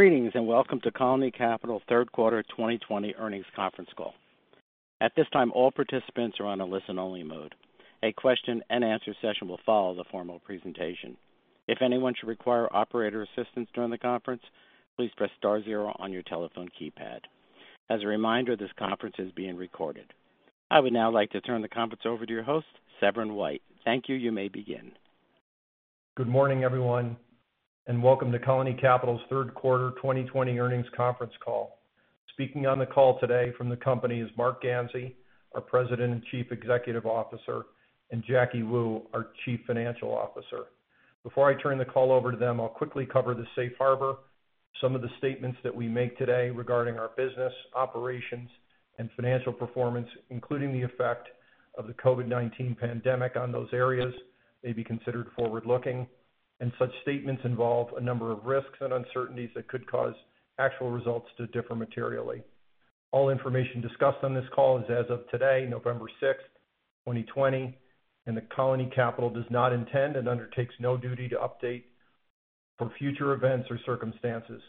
Greetings and welcome to Colony Capital's Third Quarter 2020 Earnings Conference Call. At this time, all participants are on a listen-only mode. A question-and-answer session will follow the formal presentation. If anyone should require operator assistance during the conference, please press star zero on your telephone keypad. As a reminder, this conference is being recorded. I would now like to turn the conference over to your host, Severin White. Thank you. You may begin. Good morning, everyone, and welcome to Colony Capital's Third Quarter 2020 Earnings Conference Call. Speaking on the call today from the company is Marc Ganzi, our President and Chief Executive Officer, and Jacky Wu, our Chief Financial Officer. Before I turn the call over to them, I'll quickly cover the safe harbor, some of the statements that we make today regarding our business operations and financial performance, including the effect of the COVID-19 pandemic on those areas that may be considered forward-looking. Such statements involve a number of risks and uncertainties that could cause actual results to differ materially. All information discussed on this call is as of today, November 6th, 2020, and the Colony Capital does not intend and undertakes no duty to update for future events or circumstances.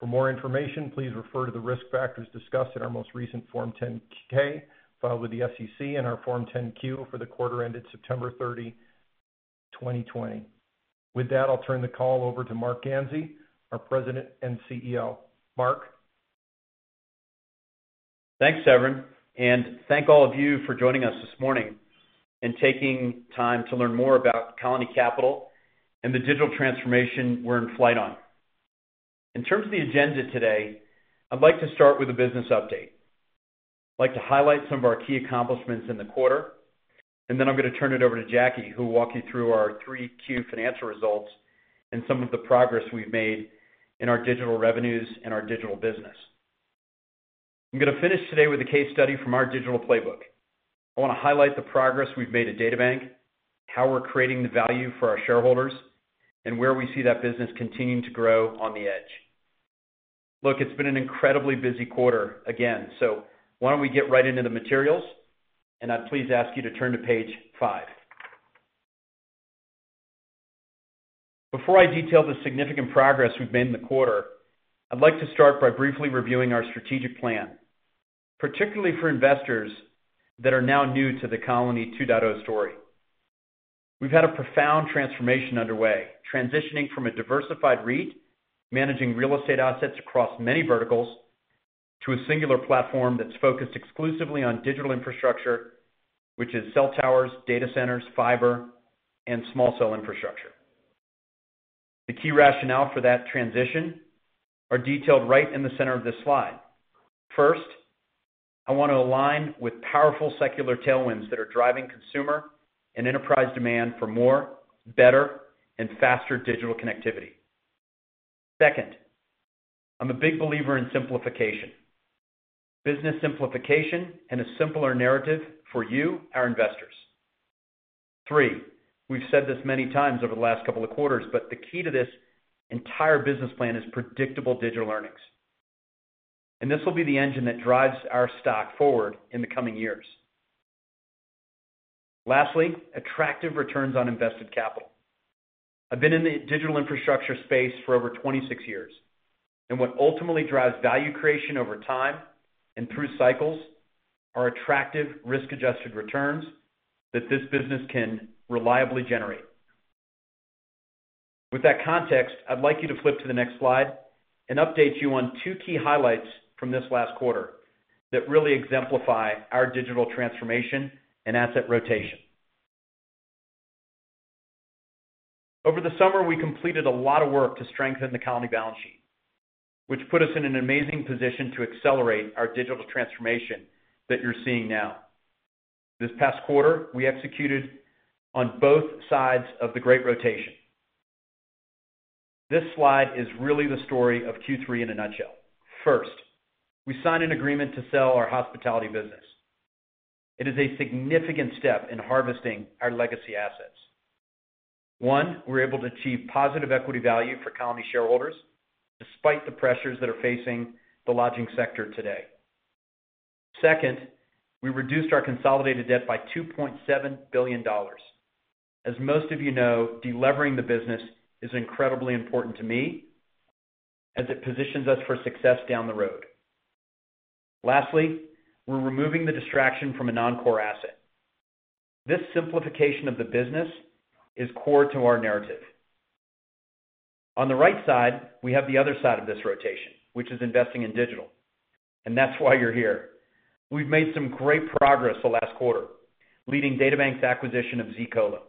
For more information, please refer to the risk factors discussed in our most recent Form 10-K filed with the SEC and our Form 10-Q for the quarter ended 30 September, 2020. With that, I'll turn the call over to Marc Ganzi, our President and CEO. Marc. Thanks, Severin, and thank all of you for joining us this morning and taking time to learn more about Colony Capital and the digital transformation we're in flight on. In terms of the agenda today, I'd like to start with a business update. I'd like to highlight some of our key accomplishments in the quarter, and then I'm going to turn it over to Jacky, who will walk you through our 3Q financial results and some of the progress we've made in our digital revenues and our digital business. I'm going to finish today with a case study from our digital playbook. I want to highlight the progress we've made at DataBank, how we're creating the value for our shareholders, and where we see that business continuing to grow on the edge. Look, it's been an incredibly busy quarter again, so why don't we get right into the materials, and I'd please ask you to turn to page five. Before I detail the significant progress we've made in the quarter, I'd like to start by briefly reviewing our strategic plan, particularly for investors that are now new to the Colony 2.0 story. We've had a profound transformation underway, transitioning from a diversified REIT managing real estate assets across many verticals to a singular platform that's focused exclusively on digital infrastructure, which is cell towers, data centers, fiber, and small cell infrastructure. The key rationale for that transition is detailed right in the center of this slide. First, I want to align with powerful secular tailwinds that are driving consumer and enterprise demand for more, better, and faster digital connectivity. Second, I'm a big believer in simplification, business simplification, and a simpler narrative for you, our investors. Three, we've said this many times over the last couple of quarters, but the key to this entire business plan is predictable digital earnings, and this will be the engine that drives our stock forward in the coming years. Lastly, attractive returns on invested capital. I've been in the digital infrastructure space for over 26 years, and what ultimately drives value creation over time and through cycles are attractive risk-adjusted returns that this business can reliably generate. With that context, I'd like you to flip to the next slide and update you on two key highlights from this last quarter that really exemplify our digital transformation and asset rotation. Over the summer, we completed a lot of work to strengthen the Colony balance sheet, which put us in an amazing position to accelerate our digital transformation that you're seeing now. This past quarter, we executed on both sides of the great rotation. This slide is really the story of Q3 in a nutshell. First, we signed an agreement to sell our hospitality business. It is a significant step in harvesting our legacy assets. One, we were able to achieve positive equity value for Colony shareholders despite the pressures that are facing the lodging sector today. Second, we reduced our consolidated debt by $2.7 billion. As most of you know, delivering the business is incredibly important to me as it positions us for success down the road. Lastly, we're removing the distraction from a non-core asset. This simplification of the business is core to our narrative. On the right side, we have the other side of this rotation, which is investing in digital, and that's why you're here. We've made some great progress the last quarter, leading DataBank's acquisition of zColo.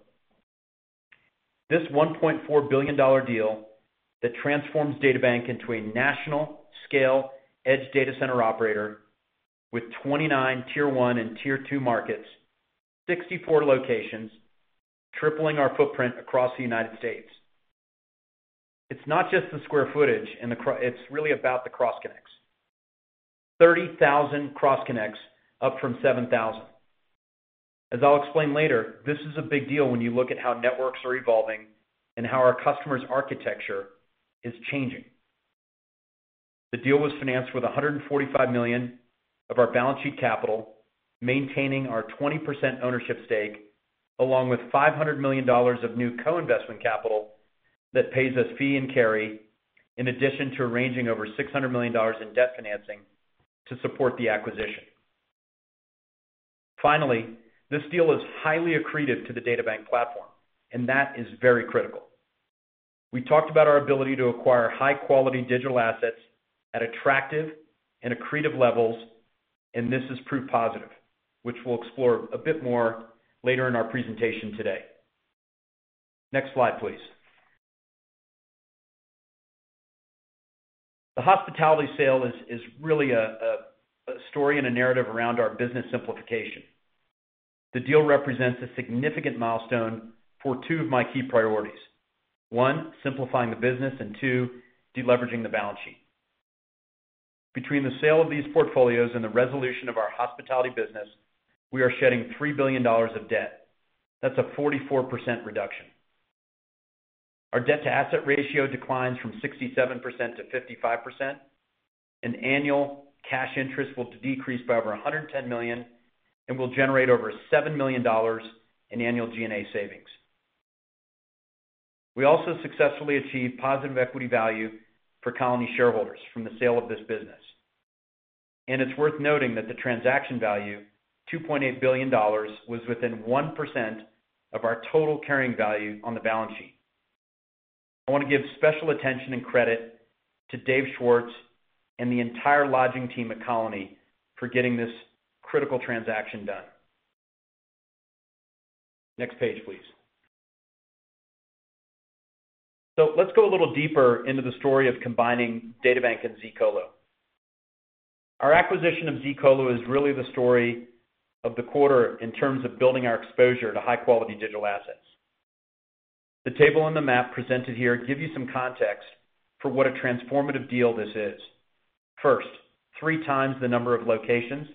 This $1.4 billion deal transforms DataBank into a national-scale edge data center operator with 29 Tier 1 and Tier 2 markets, 64 locations, tripling our footprint across the United States. It's not just the square footage. It's really about the cross-connects. 30,000 cross-connects, up from 7,000. As I'll explain later, this is a big deal when you look at how networks are evolving and how our customer's architecture is changing. The deal was financed with $145 million of our balance sheet capital, maintaining our 20% ownership stake, along with $500 million of new co-investment capital that pays us fee and carry, in addition to arranging over $600 million in debt financing to support the acquisition. Finally, this deal is highly accretive to the DataBank platform, and that is very critical. We talked about our ability to acquire high-quality digital assets at attractive and accretive levels, and this has proved positive, which we'll explore a bit more later in our presentation today. Next slide, please. The hospitality sale is really a story and a narrative around our business simplification. The deal represents a significant milestone for two of my key priorities: one, simplifying the business; and two, deleveraging the balance sheet. Between the sale of these portfolios and the resolution of our hospitality business, we are shedding $3 billion of debt. That's a 44% reduction. Our debt-to-asset ratio declines from 67%-55%. Annual cash interest will decrease by over $110 million and will generate over $7 million in annual G&A savings. We also successfully achieved positive equity value for Colony shareholders from the sale of this business and it's worth noting that the transaction value, $2.8 billion, was within 1% of our total carrying value on the balance sheet. I want to give special attention and credit to Dave Schwartz and the entire lodging team at Colony for getting this critical transaction done. Next page, please. So let's go a little deeper into the story of combining DataBank and zColo. Our acquisition of zColo is really the story of the quarter in terms of building our exposure to high-quality digital assets. The table and the map presented here give you some context for what a transformative deal this is. First, three times the number of locations,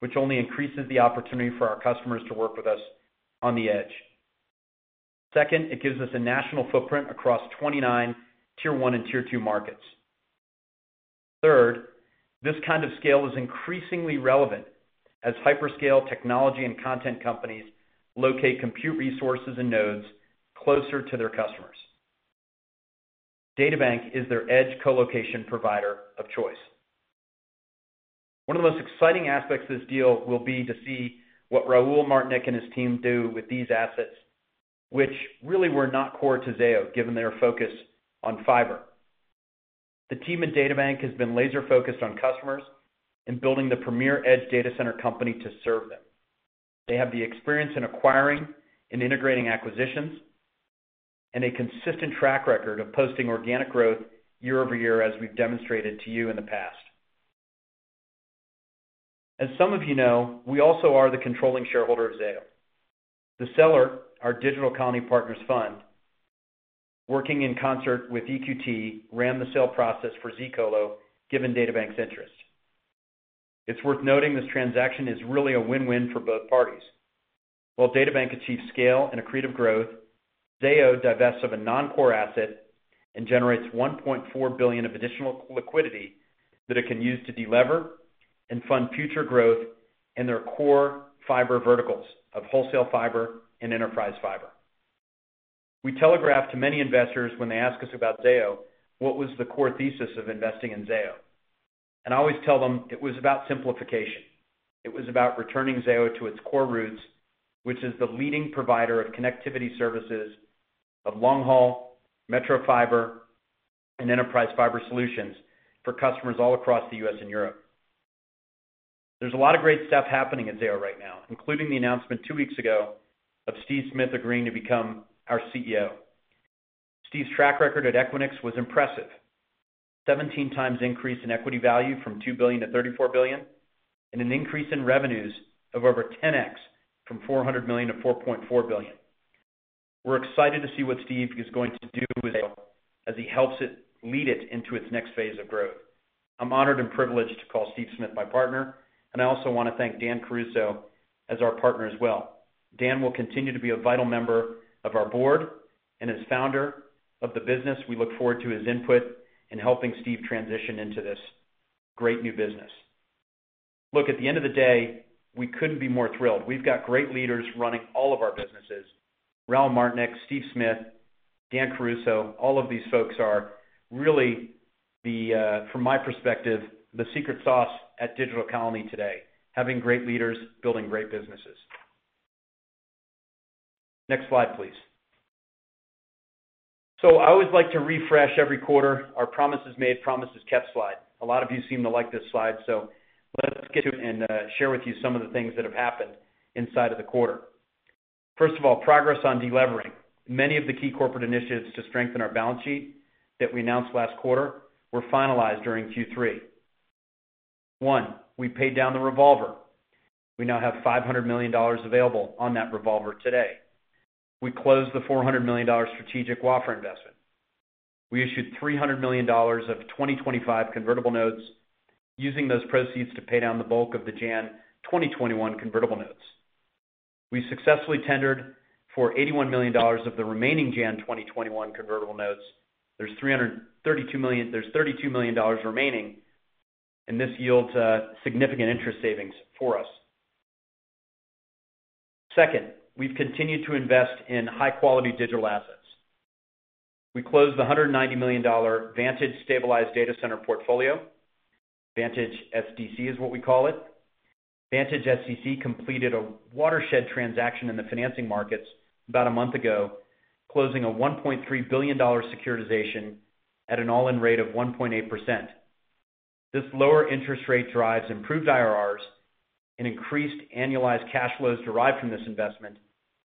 which only increases the opportunity for our customers to work with us on the edge. Second, it gives us a national footprint across 29 Tier 1 and Tier 2 markets. Third, this kind of scale is increasingly relevant as hyperscale technology and content companies locate compute resources and nodes closer to their customers. DataBank is their edge colocation provider of choice. One of the most exciting aspects of this deal will be to see what Raul Martynek, and his team do with these assets, which really were not core to Zayo given their focus on fiber. The team at DataBank has been laser-focused on customers and building the premier edge data center company to serve them. They have the experience in acquiring and integrating acquisitions and a consistent track record of posting organic growth year-over-year, as we've demonstrated to you in the past. As some of you know, we also are the controlling shareholder of Zayo. The seller, our Digital Colony Partners fund, working in concert with EQT, ran the sale process for zColo given DataBank's interest. It's worth noting this transaction is really a win-win for both parties. While DataBank achieves scale and accretive growth, Zayo divests of a non-core asset and generates $1.4 billion of additional liquidity that it can use to delever and fund future growth in their core fiber verticals of wholesale fiber and enterprise fiber. We telegraph to many investors when they ask us about Zayo, what was the core thesis of investing in Zayo, and I always tell them it was about simplification. It was about returning Zayo to its core roots, which is the leading provider of connectivity services of long-haul metro fiber and enterprise fiber solutions for customers all across the U.S. and Europe. There's a lot of great stuff happening at Zayo right now, including the announcement two weeks ago of Steve Smith agreeing to become our CEO. Steve's track record at Equinix was impressive: 17 times increase in equity value from $2 billion-$34 billion and an increase in revenues of over 10x from $400 million- $4.4 billion. We're excited to see what Steve is going to do with Zayo as he helps it lead it into its next phase of growth. I'm honored and privileged to call Steve Smith my partner, and I also want to thank Dan Caruso as our partner as well. Dan will continue to be a vital member of our board and is founder of the business. We look forward to his input in helping Steve transition into this great new business. Look, at the end of the day, we couldn't be more thrilled. We've got great leaders running all of our businesses: Raul Martynek, Steve Smith, Dan Caruso. All of these folks are really, from my perspective, the secret sauce at Digital Colony today, having great leaders building great businesses. Next slide, please. So I always like to refresh every quarter our promises made, promises kept slide. A lot of you seem to like this slide, so let's get to it and share with you some of the things that have happened inside of the quarter. First of all, progress on delivering. Many of the key corporate initiatives to strengthen our balance sheet that we announced last quarter were finalized during Q3. One, we paid down the revolver. We now have $500 million available on that revolver today. We closed the $400 million strategic Wafra investment. We issued $300 million of 2025 convertible notes, using those proceeds to pay down the bulk of the January 2021 convertible notes. We successfully tendered for $81 million of the remaining January 2021 convertible notes. There's $32 million remaining, and this yields significant interest savings for us. Second, we've continued to invest in high-quality digital assets. We closed the $190 million Vantage stabilized data center portfolio. Vantage SDC is what we call it. Vantage SDC completed a watershed transaction in the financing markets about a month ago, closing a $1.3 billion securitization at an all-in rate of 1.8%. This lower interest rate drives improved IRRs and increased annualized cash flows derived from this investment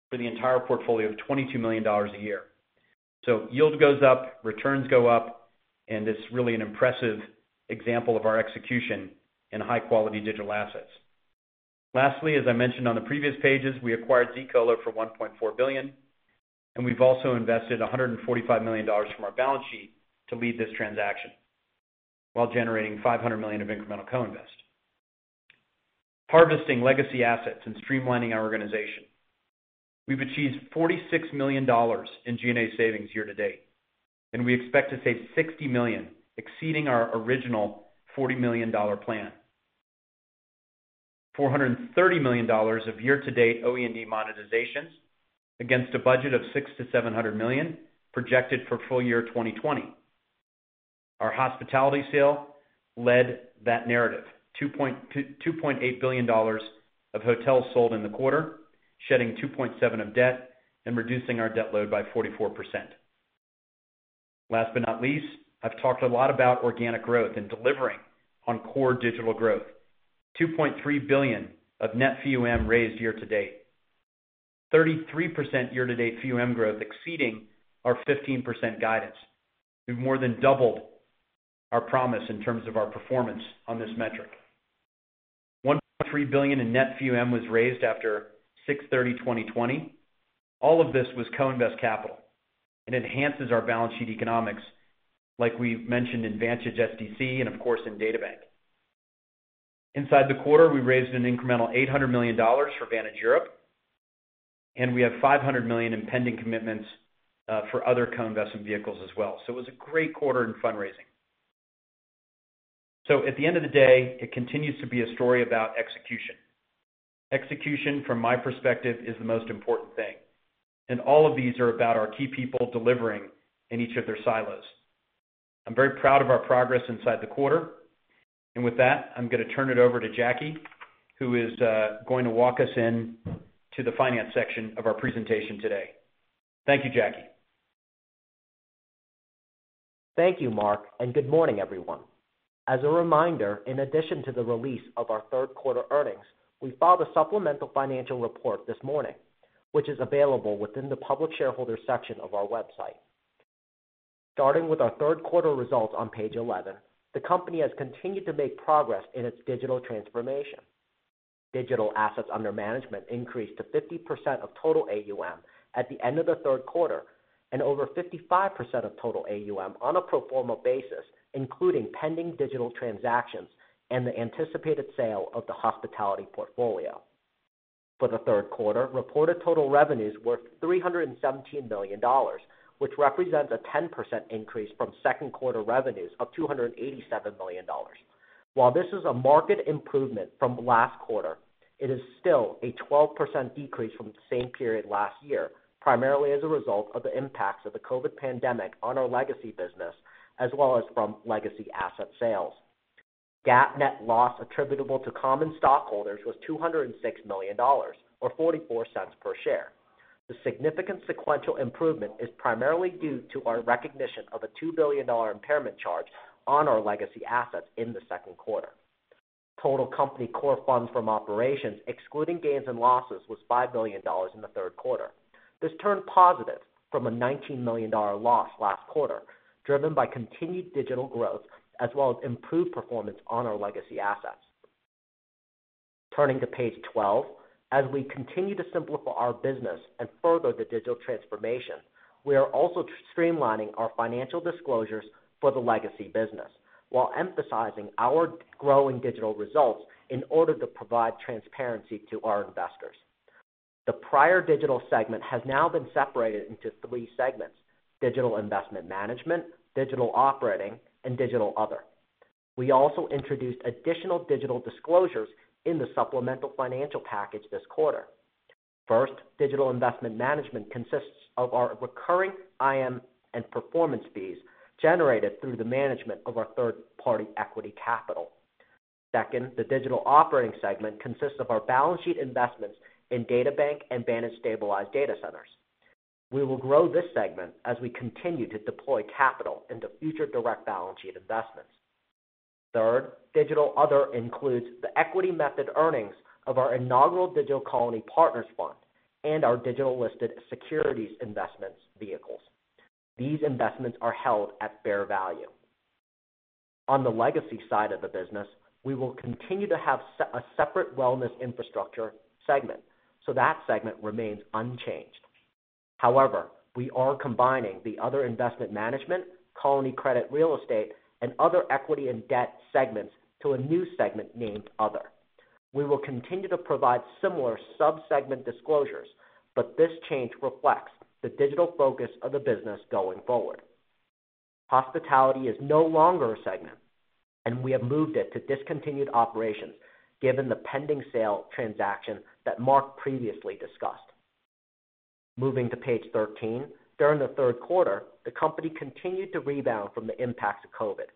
for the entire portfolio of $22 million a year. So yield goes up, returns go up, and it's really an impressive example of our execution in high-quality digital assets. Lastly, as I mentioned on the previous pages, we acquired zColo for $1.4 billion, and we've also invested $145 million from our balance sheet to lead this transaction while generating $500 million of incremental co-invest. Harvesting legacy assets and streamlining our organization. We've achieved $46 million in G&A savings year to date, and we expect to save $60 million, exceeding our original $40 million plan. $430 million of year-to-date OED monetizations against a budget of $600-$700 million projected for full year 2020. Our hospitality sale led that narrative: $2.8 billion of hotels sold in the quarter, shedding $2.7 billion of debt and reducing our debt load by 44%. Last but not least, I've talked a lot about organic growth and delivering on core digital growth $2.3 billion of net FEEUM raised year to date 33% year-to-date FEEUM growth exceeding our 15% guidance. We've more than doubled our promise in terms of our performance on this metric. $1.3 billion in net FEEUM was raised after 6/30/2020. All of this was co-invest capital. It enhances our balance sheet economics, like we mentioned in Vantage SDC and, of course, in DataBank. Inside the quarter, we raised an incremental $800 million for Vantage Europe, and we have $500 million in pending commitments for other co-investment vehicles as well. So it was a great quarter in fundraising. So at the end of the day, it continues to be a story about execution. Execution, from my perspective, is the most important thing and all of these are about our key people delivering in each of their silos. I'm very proud of our progress inside the quarter. With that, I'm going to turn it over to Jacky, who is going to walk us into the finance section of our presentation today. Thank you, Jacky. Thank you, Marc. Good morning, everyone. As a reminder, in addition to the release of our third quarter earnings, we filed a supplemental financial report this morning, which is available within the public shareholder section of our website. Starting with our third quarter results on page 11, the company has continued to make progress in its digital transformation. Digital assets under management increased to 50% of total AUM at the end of the third quarter and over 55% of total AUM on a pro forma basis, including pending digital transactions and the anticipated sale of the hospitality portfolio. For the third quarter, reported total revenues were $317 million, which represents a 10% increase from second quarter revenues of $287 million. While this is a market improvement from last quarter, it is still a 12% decrease from the same period last year, primarily as a result of the impacts of the COVID pandemic on our legacy business, as well as from legacy asset sales. GAAP net loss attributable to common stockholders was $206 million, or $0.44 per share. The significant sequential improvement is primarily due to our recognition of a $2 billion impairment charge on our legacy assets in the second quarter. Total company core funds from operations, excluding gains and losses, was $5 billion in the third quarter. This turned positive from a $19 million loss last quarter, driven by continued digital growth as well as improved performance on our legacy assets. Turning to page 12, as we continue to simplify our business and further the digital transformation, we are also streamlining our financial disclosures for the legacy business while emphasizing our growing digital results in order to provide transparency to our investors. The prior digital segment has now been separated into three segments: Digital Investment Management, Digital Operating and Digital Other. We also introduced additional digital disclosures in the supplemental financial package this quarter. First, Digital Investment Management consists of our recurring IM and performance fees generated through the management of our third-party equity capital. Second, the Digital Operating segment consists of our balance sheet investments in DataBank and Vantage Stabilized Data Centers. We will grow this segment as we continue to deploy capital into future direct balance sheet investments. Third, Digital Other includes the equity method earnings of our inaugural Digital Colony Partners fund and our digital listed securities investments vehicles. These investments are held at fair value. On the legacy side of the business, we will continue to have a separate Wellness Infrastructure segment, so that segment remains unchanged. However, we are combining the Other Investment Management, Colony Credit Real Estate, and Other Equity and Debt segments to a new segment named Other. We will continue to provide similar subsegment disclosures, but this change reflects the digital focus of the business going forward. Hospitality is no longer a segment, and we have moved it to discontinued operations given the pending sale transaction that Marc previously discussed. Moving to page 13, during the third quarter, the company continued to rebound from the impacts of COVID,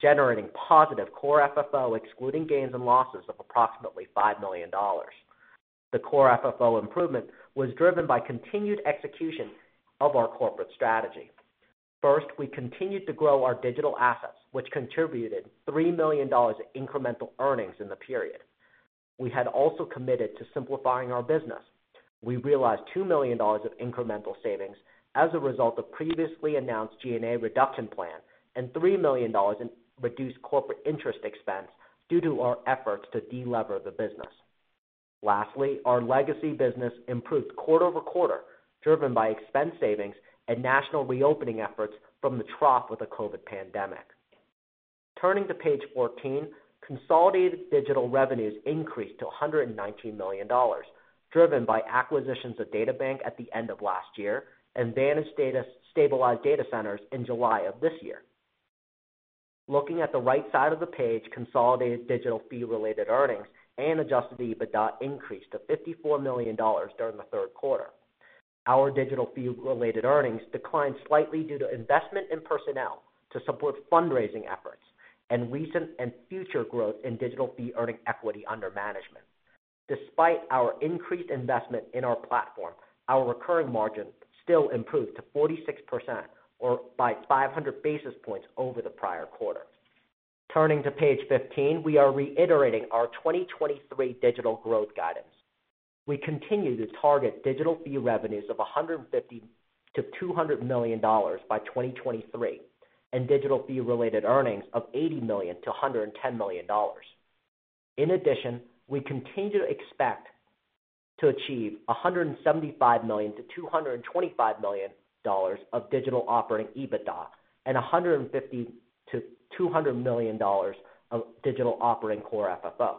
generating positive Core FFO, excluding gains and losses of approximately $5 million. The Core FFO improvement was driven by continued execution of our corporate strategy. First, we continued to grow our digital assets, which contributed $3 million in incremental earnings in the period. We had also committed to simplifying our business. We realized $2 million of incremental savings as a result of previously announced G&A reduction plan and $3 million in reduced corporate interest expense due to our efforts to delever the business. Lastly, our legacy business improved quarter-over-quarter, driven by expense savings and national reopening efforts from the trough of the COVID pandemic. Turning to page 14, consolidated digital revenues increased to $119 million, driven by acquisitions of DataBank at the end of last year and Vantage Stabilized Data Centers in July of this year. Looking at the right side of the page, consolidated digital fee-related earnings and adjusted EBITDA increased to $54 million during the third quarter. Our digital fee-related earnings declined slightly due to investment in personnel to support fundraising efforts and recent and future growth in digital fee-earning equity under management. Despite our increased investment in our platform, our recurring margin still improved to 46% or by 500 basis points over the prior quarter. Turning to page 15, we are reiterating our 2023 digital growth guidance. We continue to target digital fee revenues of $150-$200 million by 2023 and digital fee-related earnings of $80-$110 million. In addition, we continue to expect to achieve $175-$225 million of Digital Operating EBITDA and $150-$200 million of Digital Operating core FFO.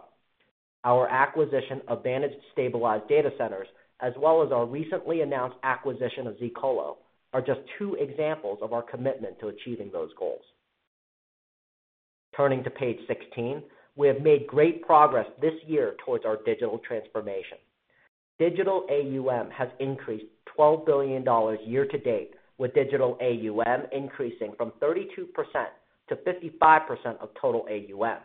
Our acquisition of Vantage Stabilized Data Centers, as well as our recently announced acquisition of zColo, are just two examples of our commitment to achieving those goals. Turning to page 16, we have made great progress this year towards our digital transformation. Digital AUM has increased $12 billion year to date, with digital AUM increasing from 32%-55% of total AUM.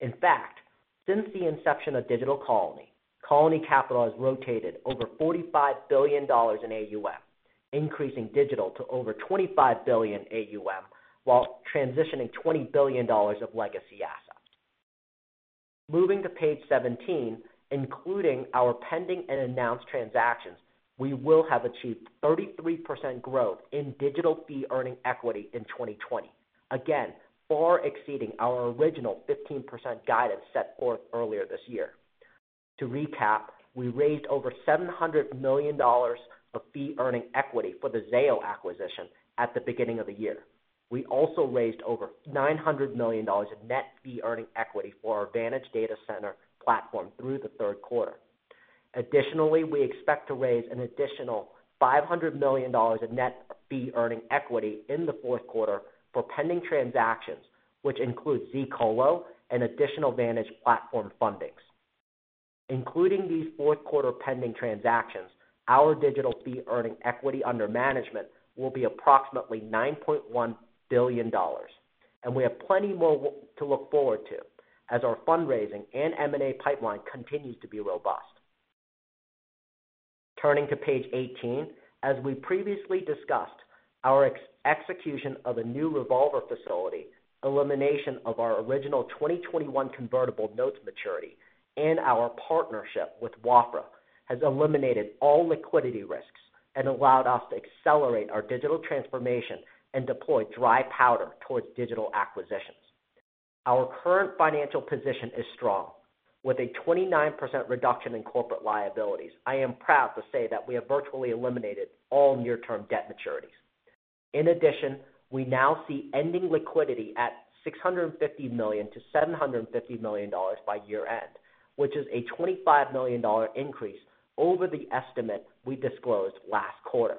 In fact, since the inception of Digital Colony, Colony Capital has rotated over $45 billion in AUM, increasing digital to over $25 billion AUM while transitioning $20 billion of legacy assets. Moving to page 17, including our pending and announced transactions, we will have achieved 33% growth in digital fee-earning equity in 2020, again, far exceeding our original 15% guidance set forth earlier this year. To recap, we raised over $700 million of fee-earning equity for the Zayo acquisition at the beginning of the year. We also raised over $900 million in net fee-earning equity for our Vantage data center platform through the third quarter. Additionally, we expect to raise an additional $500 million in net fee-earning equity in the fourth quarter for pending transactions, which include zColo and additional Vantage platform fundings. Including these fourth quarter pending transactions, our digital fee-earning equity under management will be approximately $9.1 billion and we have plenty more to look forward to as our fundraising and M&A pipeline continues to be robust. Turning to page 18, as we previously discussed, our execution of a new revolver facility, elimination of our original 2021 convertible notes maturity, and our partnership with Wafra has eliminated all liquidity risks and allowed us to accelerate our digital transformation and deploy dry powder towards digital acquisitions. Our current financial position is strong. With a 29% reduction in corporate liabilities, I am proud to say that we have virtually eliminated all near-term debt maturities. In addition, we now see ending liquidity at $650-$750 million by year-end, which is a $25 million increase over the estimate we disclosed last quarter.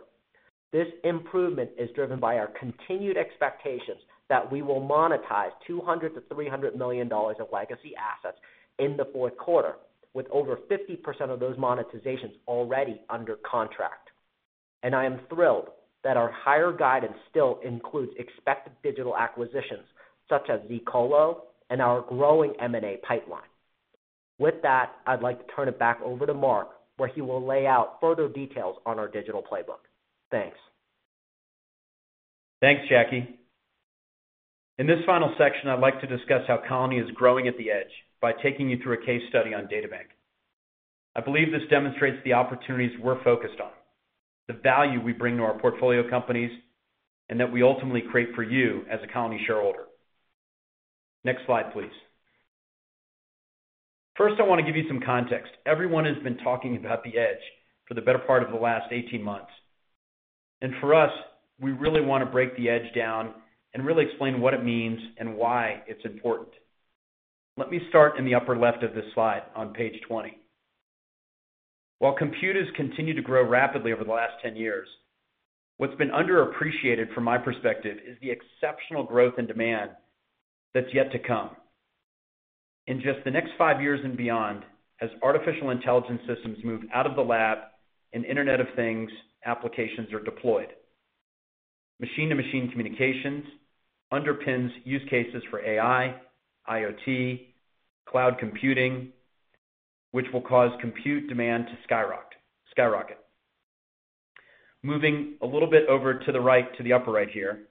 This improvement is driven by our continued expectations that we will monetize $200-$300 million of legacy assets in the fourth quarter, with over 50% of those monetizations already under contract, and I am thrilled that our higher guidance still includes expected digital acquisitions such as zColo and our growing M&A pipeline. With that, I'd like to turn it back over to Marc, where he will lay out further details on our digital playbook. Thanks. Thanks, Jacky. In this final section, I'd like to discuss how Colony is growing at the edge by taking you through a case study on DataBank. I believe this demonstrates the opportunities we're focused on, the value we bring to our portfolio companies, and that we ultimately create for you as a Colony shareholder. Next slide, please. First, I want to give you some context. Everyone has been talking about the edge for the better part of the last 18 months, and for us, we really want to break the edge down and really explain what it means and why it's important. Let me start in the upper left of this slide on page 20. While computers continue to grow rapidly over the last 10 years, what's been underappreciated from my perspective is the exceptional growth in demand that's yet to come. In just the next five years and beyond, as artificial intelligence systems move out of the lab and Internet of Things applications are deployed, machine-to-machine communications underpins use cases for AI, IoT, cloud computing, which will cause compute demand to skyrocket. Moving a little bit over to the right, to the upper right here,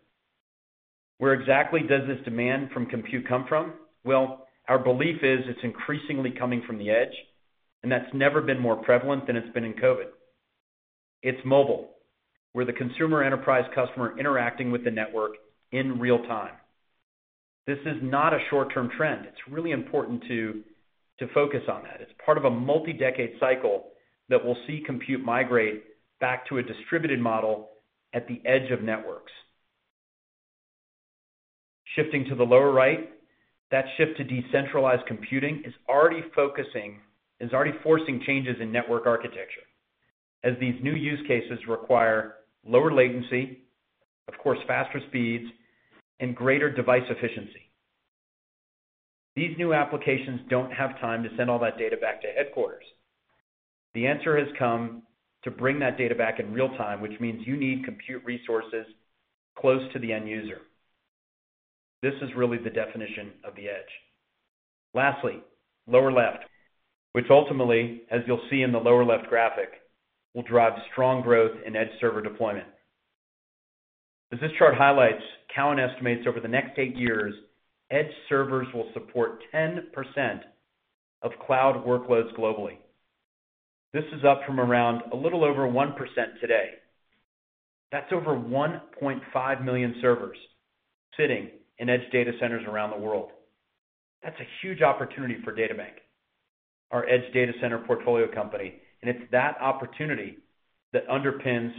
where exactly does this demand from compute come from? Well, our belief is it's increasingly coming from the edge, and that's never been more prevalent than it's been in COVID. It's mobile, where the consumer enterprise customer is interacting with the network in real time. This is not a short-term trend. It's really important to focus on that. It's part of a multi-decade cycle that will see compute migrate back to a distributed model at the edge of networks. Shifting to the lower right, that shift to decentralized computing is already forcing changes in network architecture as these new use cases require lower latency, of course, faster speeds, and greater device efficiency. These new applications don't have time to send all that data back to headquarters. The answer has come to bring that data back in real time, which means you need compute resources close to the end user. This is really the definition of the edge. Lastly, lower left, which ultimately, as you'll see in the lower left graphic, will drive strong growth in edge server deployment. As this chart highlights, Cowen estimates over the next eight years, edge servers will support 10% of cloud workloads globally. This is up from around a little over 1% today. That's over 1.5 million servers sitting in edge data centers around the world. That's a huge opportunity for DataBank, our edge data center portfolio company and it's that opportunity that underpins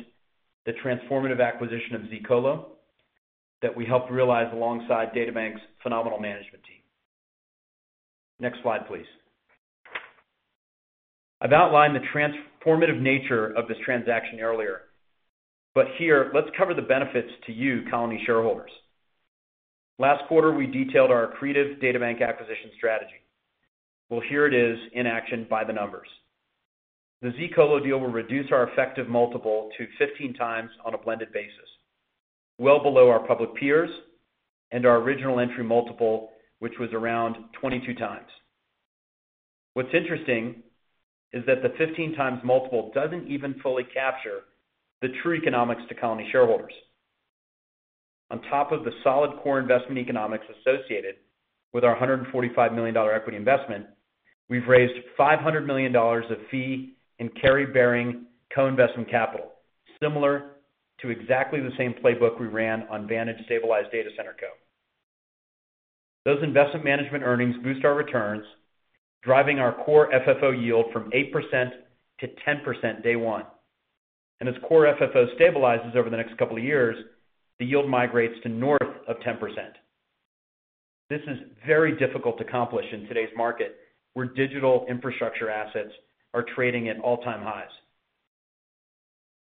the transformative acquisition of zColo that we helped realize alongside DataBank's phenomenal management team. Next slide, please. I've outlined the transformative nature of this transaction earlier, but here, let's cover the benefits to you, Colony shareholders. Last quarter, we detailed our creative DataBank acquisition strategy. Well, here it is in action by the numbers. The zColo deal will reduce our effective multiple to 15x on a blended basis, well below our public peers and our original entry multiple, which was around 22x. What's interesting is that the 15x multiple doesn't even fully capture the true economics to Colony shareholders. On top of the solid core investment economics associated with our $145 million equity investment, we've raised $500 million of fee and carry-bearing co-investment capital, similar to exactly the same playbook we ran on Vantage Stabilized Data Center Co.. Those investment management earnings boost our returns, driving our Core FFO yield from 8%-10% day one, and as Core FFO stabilizes over the next couple of years, the yield migrates to north of 10%. This is very difficult to accomplish in today's market where digital infrastructure assets are trading at all-time highs.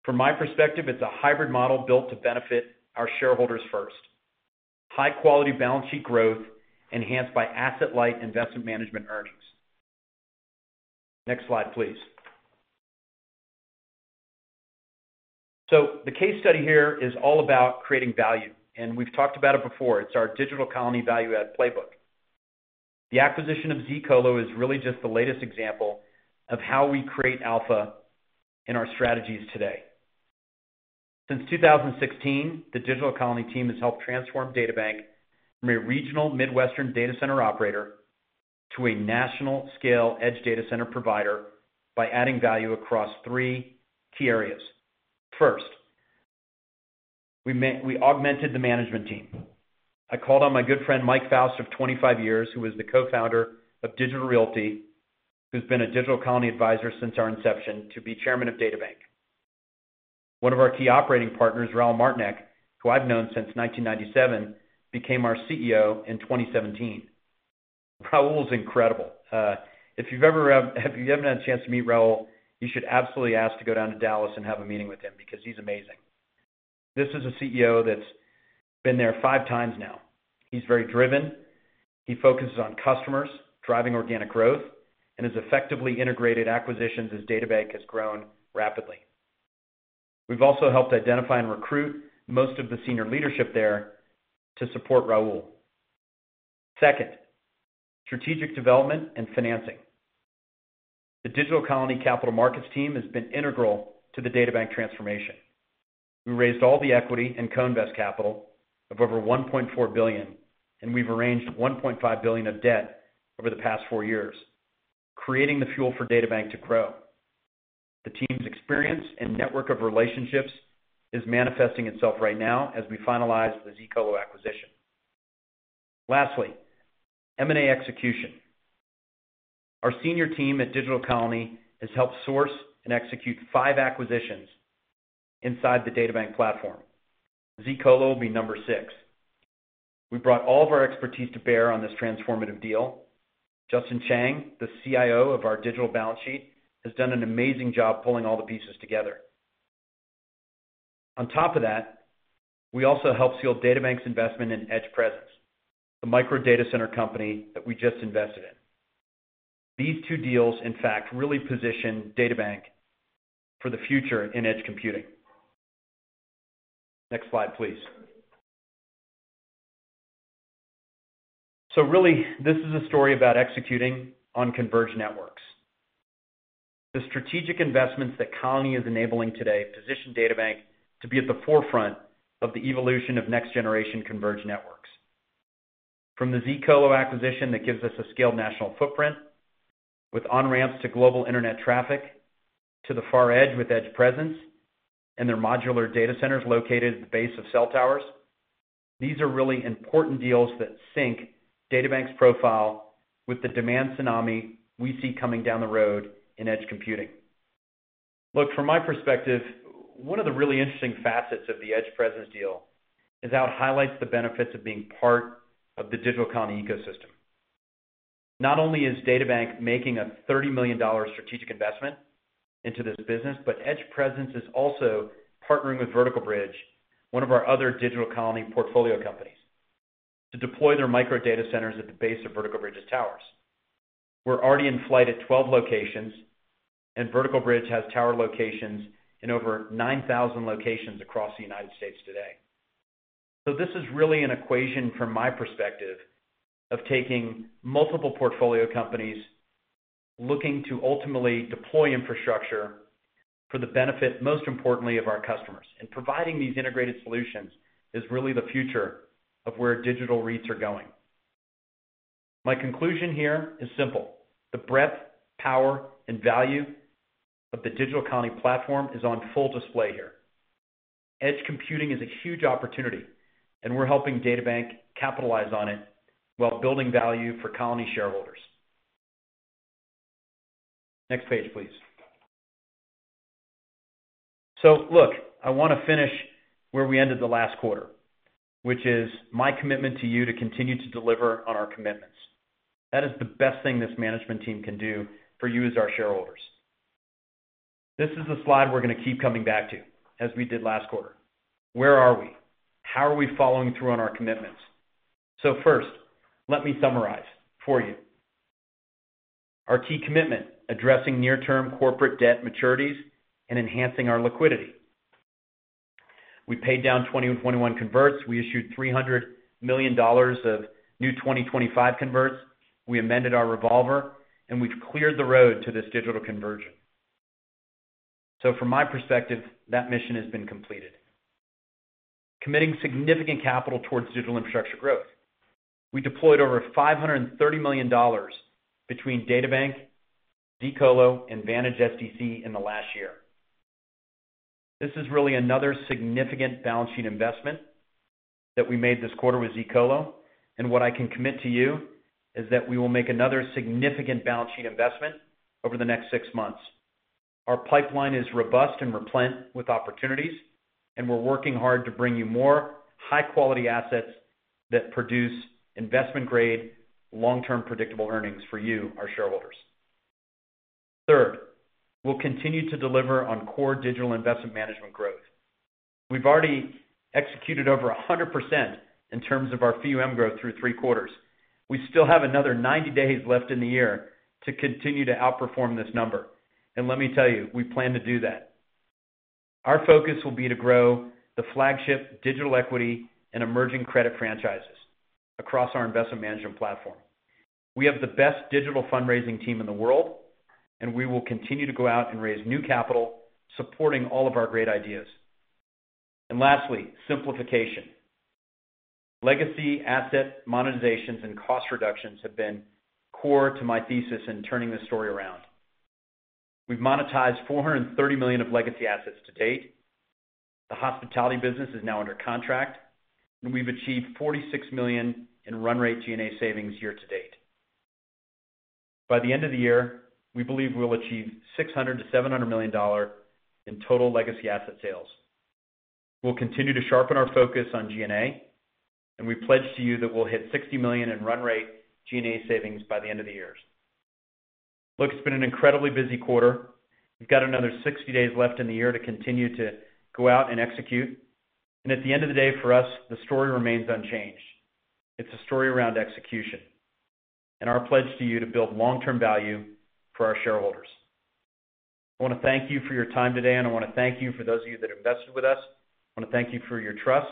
From my perspective, it's a hybrid model built to benefit our shareholders first, high-quality balance sheet growth enhanced by asset-light investment management earnings. Next slide, please, so the case study here is all about creating value, and we've talked about it before. It's our Digital Colony value-add playbook. The acquisition of zColo is really just the latest example of how we create alpha in our strategies today. Since 2016, the Digital Colony team has helped transform DataBank from a regional Midwestern data center operator to a national-scale edge data center provider by adding value across three key areas. First, we augmented the management team. I called on my good friend, Michael Foust, of 25 years, who is the co-founder of Digital Realty, who's been a Digital Colony advisor since our inception to be chairman of DataBank. One of our key operating partners, Raul Martynek, who I've known since 1997, became our CEO in 2017. Raul is incredible. If you've ever had a chance to meet Raul, you should absolutely ask to go down to Dallas and have a meeting with him because he's amazing. This is a CEO that's been there five times now. He's very driven. He focuses on customers, driving organic growth, and has effectively integrated acquisitions as DataBank has grown rapidly. We've also helped identify and recruit most of the senior leadership there to support Raul. Second, strategic development and financing. The Digital Colony capital markets team has been integral to the DataBank transformation. We raised all the equity and co-invest capital of over $1.4 billion, and we've arranged $1.5 billion of debt over the past four years, creating the fuel for DataBank to grow. The team's experience and network of relationships is manifesting itself right now as we finalize the zColo acquisition. Lastly, M&A execution. Our senior team at Digital Colony has helped source and execute five acquisitions inside the DataBank platform, zColo will be number six. We brought all of our expertise to bear on this transformative deal. Justin Chang, the CIO of our digital balance sheet, has done an amazing job pulling all the pieces together. On top of that, we also helped seal DataBank's investment in EdgePresence, the micro data center company that we just invested in. These two deals, in fact, really position DataBank for the future in edge computing. Next slide, please. So really, this is a story about executing on converged networks. The strategic investments that Colony is enabling today position DataBank to be at the forefront of the evolution of next-generation converged networks. From the zColo acquisition that gives us a scaled national footprint, with on-ramps to global internet traffic, to the far edge with EdgePresence and their modular data centers located at the base of cell towers, these are really important deals that sync DataBank's profile with the demand tsunami we see coming down the road in edge computing. Look, from my perspective, one of the really interesting facets of the EdgePresence deal is how it highlights the benefits of being part of the Digital Colony ecosystem. Not only is DataBank making a $30 million strategic investment into this business, but EdgePresence is also partnering with Vertical Bridge, one of our other Digital Colony portfolio companies, to deploy their micro data centers at the base of Vertical Bridge's towers. We're already in flight at 12 locations, and Vertical Bridge has tower locations in over 9,000 locations across the United States today. So this is really an equation, from my perspective, of taking multiple portfolio companies looking to ultimately deploy infrastructure for the benefit, most importantly, of our customers and providing these integrated solutions is really the future of where digital needs are going. My conclusion here is simple. The breadth, power, and value of the Digital Colony platform is on full display here. Edge computing is a huge opportunity, and we're helping DataBank capitalize on it while building value for Colony shareholders. Next page, please. So look, I want to finish where we ended the last quarter, which is my commitment to you to continue to deliver on our commitments. That is the best thing this management team can do for you as our shareholders. This is the slide we're going to keep coming back to as we did last quarter. Where are we? How are we following through on our commitments? So first, let me summarize for you. Our key commitment: addressing near-term corporate debt maturities and enhancing our liquidity. We paid down 2021 converts. We issued $300 million of new 2025 converts. We amended our revolver, and we've cleared the road to this digital conversion. So from my perspective, that mission has been completed. Committing significant capital towards digital infrastructure growth. We deployed over $530 million between DataBank, zColo, and Vantage SDC in the last year. This is really another significant balance sheet investment that we made this quarter with zColo and what I can commit to you is that we will make another significant balance sheet investment over the next six months. Our pipeline is robust and replete with opportunities, and we're working hard to bring you more high-quality assets that produce investment-grade, long-term predictable earnings for you, our shareholders. Third, we'll continue to deliver on core Digital Investment Management growth. We've already executed over 100% in terms of our FEEUM growth through three quarters. We still have another 90 days left in the year to continue to outperform this number and let me tell you, we plan to do that. Our focus will be to grow the flagship digital equity and emerging credit franchises across our investment management platform. We have the best digital fundraising team in the world, and we will continue to go out and raise new capital supporting all of our great ideas. Lastly, simplification. Legacy asset monetizations and cost reductions have been core to my thesis in turning this story around. We've monetized $430 million of legacy assets to date. The hospitality business is now under contract, and we've achieved $46 million in run-rate G&A savings year to date. By the end of the year, we believe we'll achieve $600-$700 million in total legacy asset sales. We'll continue to sharpen our focus on G&A, and we pledge to you that we'll hit $60 million in run-rate G&A savings by the end of the year. Look, it's been an incredibly busy quarter. We've got another 60 days left in the year to continue to go out and execute, and at the end of the day, for us, the story remains unchanged. It's a story around execution and our pledge to you to build long-term value for our shareholders. I want to thank you for your time today, and I want to thank you for those of you that invested with us. I want to thank you for your trust.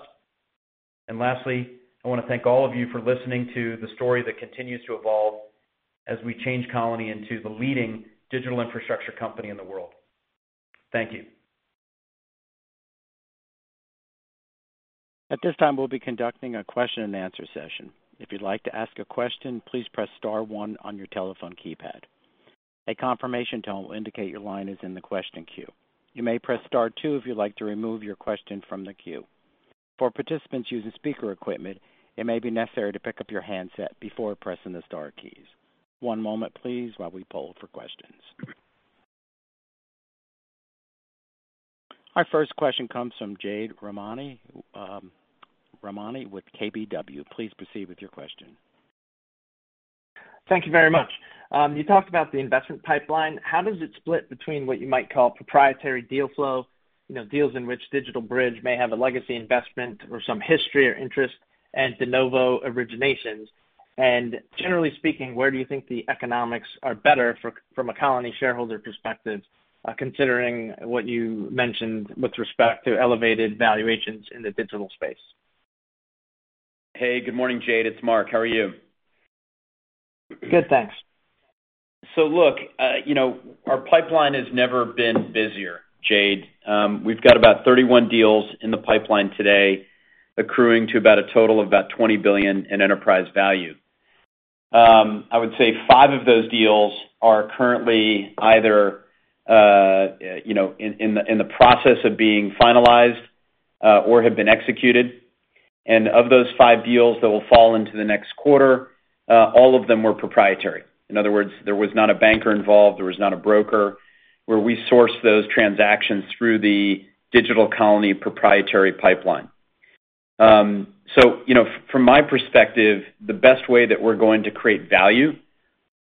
Lastly, I want to thank all of you for listening to the story that continues to evolve as we change Colony into the leading digital infrastructure company in the world. Thank you. At this time, we'll be conducting a question-and-answer session. If you'd like to ask a question, please press star one on your telephone keypad. A confirmation tone will indicate your line is in the question queue. You may press star two if you'd like to remove your question from the queue. For participants using speaker equipment, it may be necessary to pick up your handset before pressing the star keys. One moment, please, while we poll for questions. Our first question comes from Jade Rahmani with KBW. Please proceed with your question. Thank you very much. You talked about the investment pipeline. How does it split between what you might call proprietary deal flow, deals in which DigitalBridge may have a legacy investment or some history or interest and de novo originations? Generally speaking, where do you think the economics are better from a colony shareholder perspective, considering what you mentioned with respect to elevated valuations in the digital space? Hey, good morning, Jade. It's Marc. How are you? Good, thanks. So look, our pipeline has never been busier, Jade. We've got about 31 deals in the pipeline today, accruing to about a total of about $20 billion in enterprise value. I would say five of those deals are currently either in the process of being finalized or have been executed, and of those five deals that will fall into the next quarter, all of them were proprietary. In other words, there was not a banker involved. There was not a broker where we sourced those transactions through the Digital Colony proprietary pipeline. So from my perspective, the best way that we're going to create value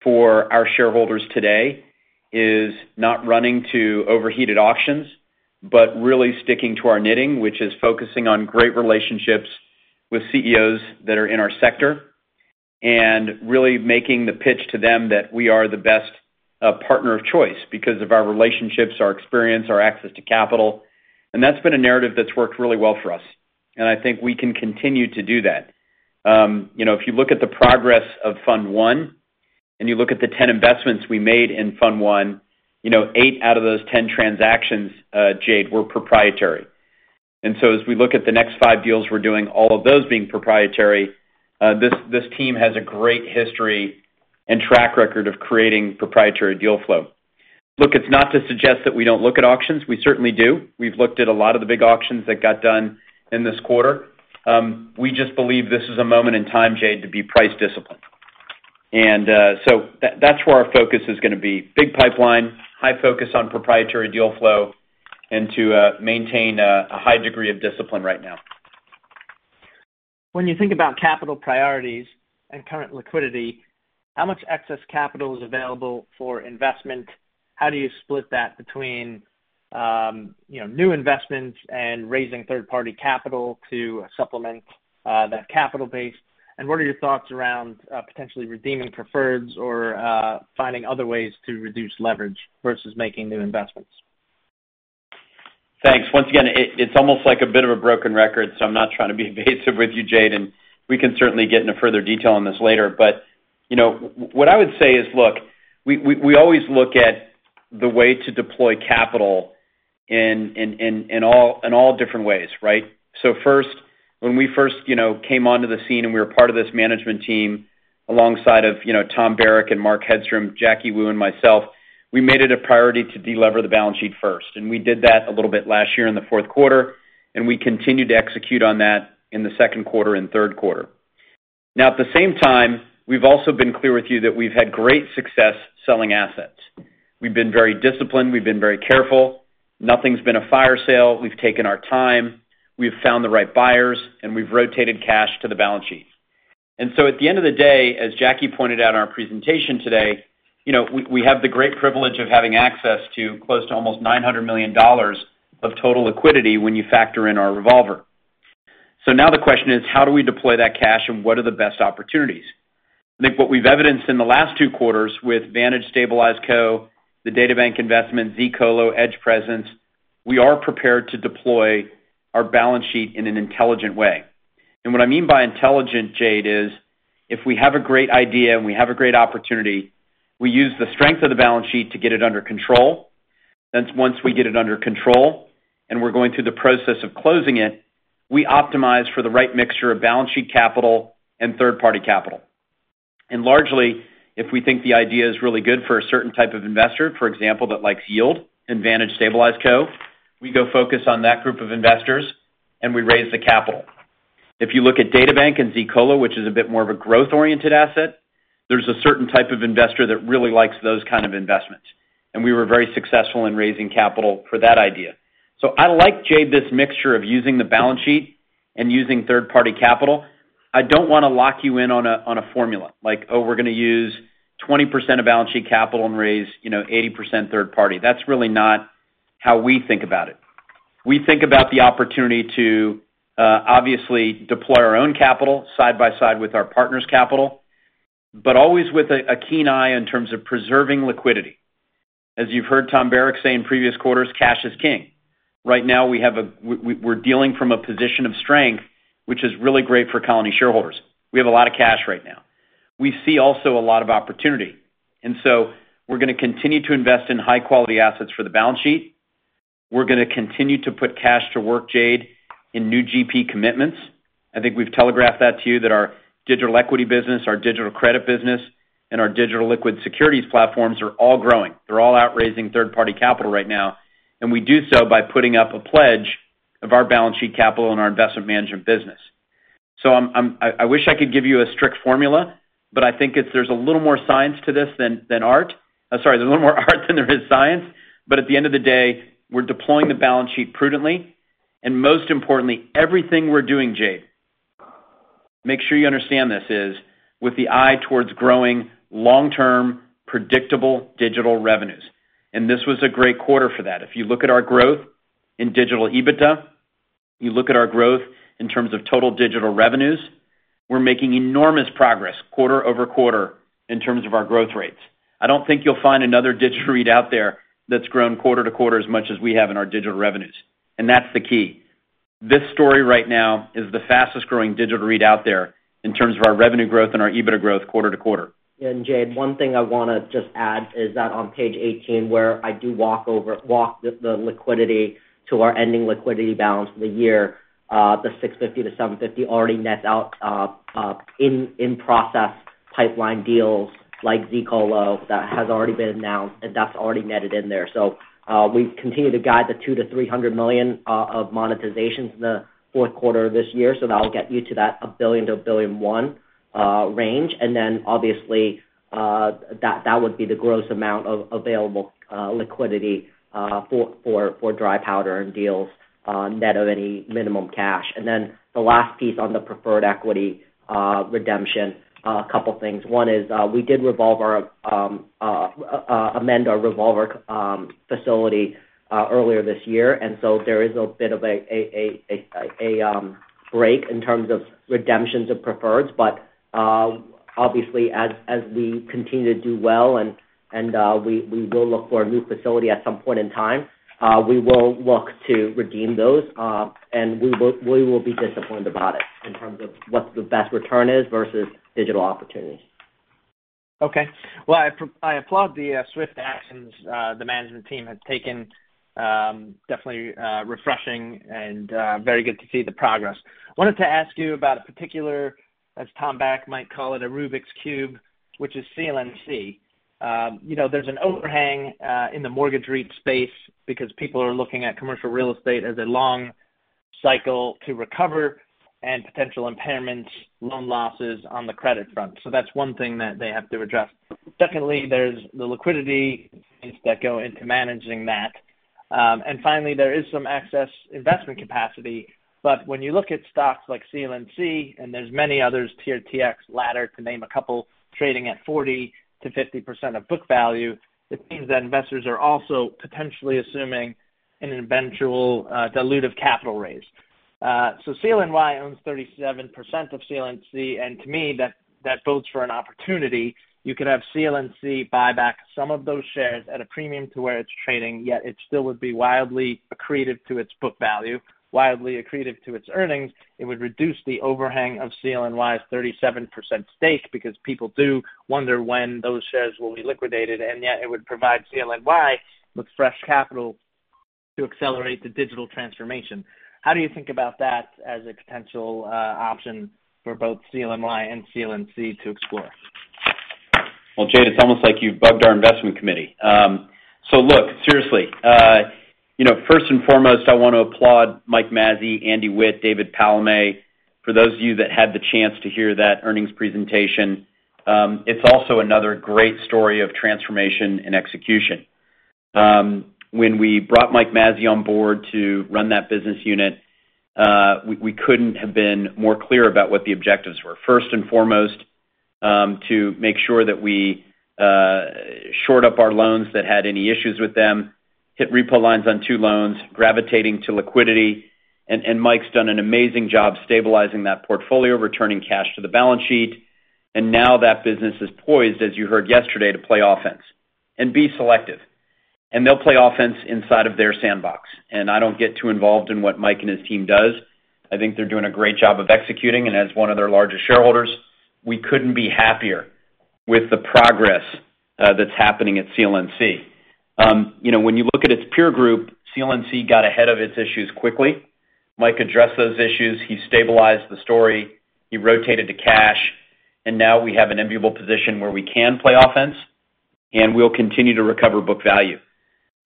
for our shareholders today is not running to overheated auctions, but really sticking to our knitting, which is focusing on great relationships with CEOs that are in our sector and really making the pitch to them that we are the best partner of choice because of our relationships, our experience, our access to capital. That's been a narrative that's worked really well for us. I think we can continue to do that. If you look at the progress of Fund 1 and you look at the 10 investments we made in Fund 1, eight out of those 10 transactions, Jade, were proprietary. So as we look at the next five deals we're doing, all of those being proprietary, this team has a great history and track record of creating proprietary deal flow. Look, it's not to suggest that we don't look at auctions. We certainly do. We've looked at a lot of the big auctions that got done in this quarter. We just believe this is a moment in time, Jade, to be price disciplined. So that's where our focus is going to be: big pipeline, high focus on proprietary deal flow, and to maintain a high degree of discipline right now. When you think about capital priorities and current liquidity, how much excess capital is available for investment? How do you split that between new investments and raising third-party capital to supplement that capital base and what are your thoughts around potentially redeeming preferreds or finding other ways to reduce leverage versus making new investments? Thanks. Once again, it's almost like a bit of a broken record, so I'm not trying to be evasive with you, Jade, and we can certainly get into further detail on this later. But what I would say is, look, we always look at the way to deploy capital in all different ways, right? So first, when we first came onto the scene and we were part of this management team alongside of Tom Barrack and Mark Hedstrom, Jacky Wu, and myself, we made it a priority to deliver the balance sheet first, and we did that a little bit last year in the fourth quarter, and we continued to execute on that in the second quarter and third quarter. Now, at the same time, we've also been clear with you that we've had great success selling assets. We've been very disciplined. We've been very careful. Nothing's been a fire sale. We've taken our time. We've found the right buyers, and we've rotated cash to the balance sheet. At the end of the day, as Jacky pointed out in our presentation today, we have the great privilege of having access to close to almost $900 million of total liquidity when you factor in our revolver. Now the question is, how do we deploy that cash, and what are the best opportunities? I think what we've evidenced in the last two quarters with Vantage Stabilized Co., the DataBank investment, zColo, EdgePresence, we are prepared to deploy our balance sheet in an intelligent way. What I mean by intelligent, Jade, is if we have a great idea and we have a great opportunity, we use the strength of the balance sheet to get it under control. Then once we get it under control and we're going through the process of closing it, we optimize for the right mixture of balance sheet capital and third-party capital. Largely, if we think the idea is really good for a certain type of investor, for example, that likes Yield and Vantage Stabilized Co., we go focus on that group of investors and we raise the capital. If you look at DataBank and zColo, which is a bit more of a growth-oriented asset, there's a certain type of investor that really likes those kinds of investments. We were very successful in raising capital for that idea. So I like, Jade, this mixture of using the balance sheet and using third-party capital. I don't want to lock you in on a formula like, "Oh, we're going to use 20% of balance sheet capital and raise 80% third-party." That's really not how we think about it. We think about the opportunity to obviously deploy our own capital side by side with our partner's capital, but always with a keen eye in terms of preserving liquidity. As you've heard Tom Barrack say in previous quarters, cash is king. Right now, we're dealing from a position of strength, which is really great for Colony shareholders. We have a lot of cash right now. We see also a lot of opportunity, and so we're going to continue to invest in high-quality assets for the balance sheet. We're going to continue to put cash to work, Jade, in new GP commitments. I think we've telegraphed that to you that our digital equity business, our digital credit business, and our digital liquid securities platforms are all growing. They're all out raising third-party capital right now and we do so by putting up a pledge of our balance sheet capital and our investment management business. So I wish I could give you a strict formula, but I think there's a little more science to this than art. Sorry, there's a little more art than there is science. But at the end of the day, we're deploying the balance sheet prudently and most importantly, everything we're doing, Jade, make sure you understand this, is with the eye towards growing long-term predictable digital revenues, and this was a great quarter for that. If you look at our growth in digital EBITDA, you look at our growth in terms of total digital revenues, we're making enormous progress quarter-over-quarter in terms of our growth rates. I don't think you'll find another digital REIT out there that's grown quarter to quarter as much as we have in our digital revenues, and that's the key. This story right now is the fastest-growing digital REIT out there in terms of our revenue growth and our EBITDA growth quarter to quarter. Jade, one thing I want to just add is that on page 18, where I do walk the liquidity to our ending liquidity balance for the year, the $650-$750 already nets out in-process pipeline deals like zColo that has already been announced, and that's already netted in there. So we continue to guide the $200-$300 million of monetizations in the fourth quarter of this year. So that'll get you to that $1-$1.1 billion range. That would be the gross amount of available liquidity for dry powder and deals net of any minimum cash. The last piece on the preferred equity redemption involves a couple of things. One is we did amend our revolver facility earlier this year. There is a bit of a break in terms of redemptions of preferreds. As we continue to do well, we will look for a new facility at some point in time, and we will look to redeem those. We will be disciplined about it in terms of what the best return is versus digital opportunities. Okay. I applaud the swift actions the management team has taken. It is definitely refreshing and very good to see the progress. I wanted to ask you about a particular one, as Tom Barrack might call it, a Rubik's Cube, which is CLNC. There's an overhang in the mortgage rate space because people are looking at commercial real estate as a long cycle to recover and potential impairments, loan losses on the credit front. So that's one thing that they have to address. Secondly, there's the liquidity that go into managing that. Finally, there is some excess investment capacity. But when you look at stocks like CLNC and there's many others, TRTX, Ladder to name a couple, trading at 40%-50% of book value, it means that investors are also potentially assuming an eventual dilutive capital raise. So CLNY owns 37% of CLNC and to me, that bodes for an opportunity. You could have CLNC buy back some of those shares at a premium to where it's trading, yet it still would be wildly accretive to its book value, wildly accretive to its earnings. It would reduce the overhang of CLNY's 37% stake because people do wonder when those shares will be liquidated. Yet, it would provide CLNY with fresh capital to accelerate the digital transformation. How do you think about that as a potential option for both CLNY and CLNC to explore? Jade, it's almost like you've bugged our investment committee. So look, seriously, first and foremost, I want to applaud Mike Mazzei, Andy Witt, David Palamé. For those of you that had the chance to hear that earnings presentation, it's also another great story of transformation and execution. When we brought Mike Mazzei on board to run that business unit, we couldn't have been more clear about what the objectives were. First and foremost, to make sure that we shore up our loans that had any issues with them, hit repo lines on two loans, gravitating to liquidity. Mike's done an amazing job stabilizing that portfolio, returning cash to the balance sheet, and now that business is poised, as you heard yesterday, to play offense and be selective, and they'll play offense inside of their sandbox. I don't get too involved in what Mike and his team does. I think they're doing a great job of executing, and as one of their largest shareholders, we couldn't be happier with the progress that's happening at CLNC. When you look at its peer group, CLNC got ahead of its issues quickly. Mike addressed those issues. He stabilized the story. He rotated to cash and now we have an immutable position where we can play offense, and we'll continue to recover book value.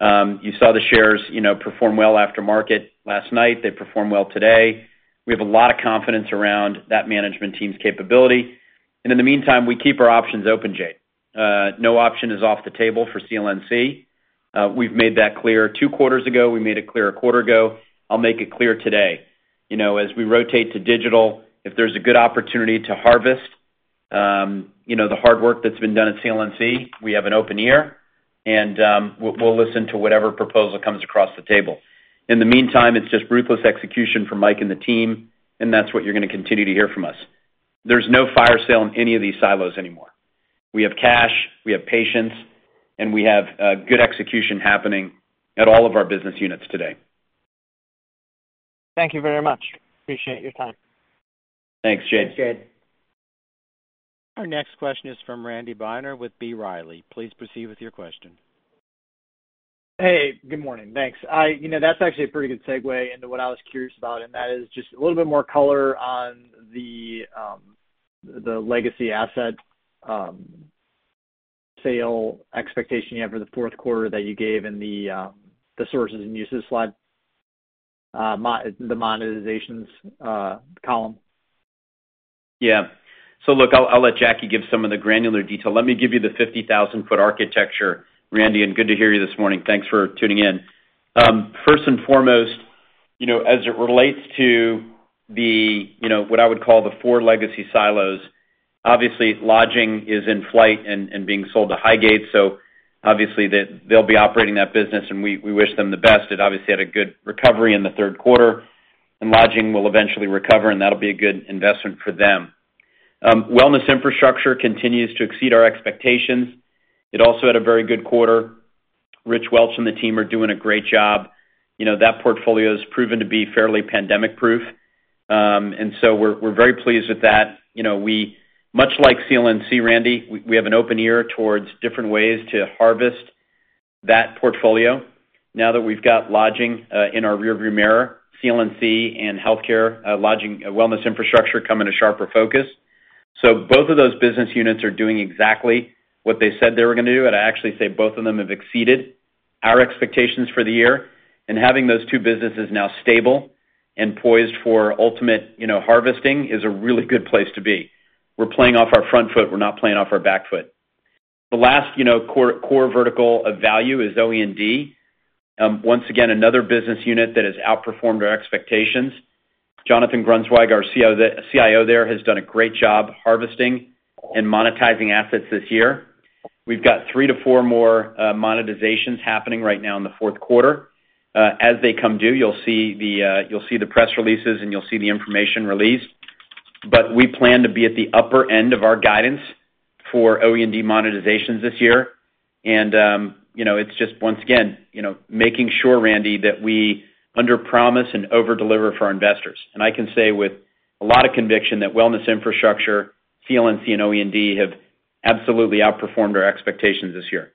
You saw the shares perform well after market last night. They performed well today. We have a lot of confidence around that management team's capability. In the meantime, we keep our options open, Jade. No option is off the table for CLNC. We've made that clear two quarters ago. We made it clear a quarter ago. I'll make it clear today. As we rotate to digital, if there's a good opportunity to harvest the hard work that's been done at CLNC, we have an open ear, and we'll listen to whatever proposal comes across the table. In the meantime, it's just ruthless execution from Mike and the team, and that's what you're going to continue to hear from us. There's no fire sale in any of these silos anymore. We have cash. We have patience and we have good execution happening at all of our business units today. Thank you very much. Appreciate your time. Thanks, Jade. Thanks, Jade. Our next question is from Randy Binner with B Riley Securities. Please proceed with your question. Hey, good morning. Thanks. That's actually a pretty good segue into what I was curious about, and that is just a little bit more color on the legacy asset sale expectation you have for the fourth quarter that you gave in the sources and uses slide, the monetizations column. Yeah. So look, I'll let Jacky give some of the granular detail. Let me give you the 50,000-foot architecture. Randy, and good to hear you this morning. Thanks for tuning in. First and foremost, as it relates to what I would call the four legacy silos, obviously, Lodging is in flight and being sold to Highgate. So obviously, they'll be operating that business, and we wish them the best. It obviously had a good recovery in the third quarter, and Lodging will eventually recover, and that'll be a good investment for them. Wellness Infrastructure continues to exceed our expectations. It also had a very good quarter. Rich Welch and the team are doing a great job. That portfolio has proven to be fairly pandemic-proof, and so we're very pleased with that. Much like CLNC, Randy, we have an open ear towards different ways to harvest that portfolio. Now that we've got Lodging in our rearview mirror, CLNC and healthcare Wellness Infrastructure come into sharper focus. So both of those business units are doing exactly what they said they were going to do and I actually say both of them have exceeded our expectations for the year. Having those two businesses now stable and poised for ultimate harvesting is a really good place to be. We're playing off our front foot. We're not playing off our back foot. The last core vertical of value is OED. Once again, another business unit that has outperformed our expectations. Jonathan Grunzweig, our CIO there, has done a great job harvesting and monetizing assets this year. We've got three to four more monetizations happening right now in the fourth quarter. As they come due, you'll see the press releases, and you'll see the information released. But we plan to be at the upper end of our guidance for OED monetizations this year. It's just, once again, making sure, Randy, that we underpromise and overdeliver for our investors. I can say with a lot of conviction that Wellness Infrastructure, CLNC, and OED have absolutely outperformed our expectations this year.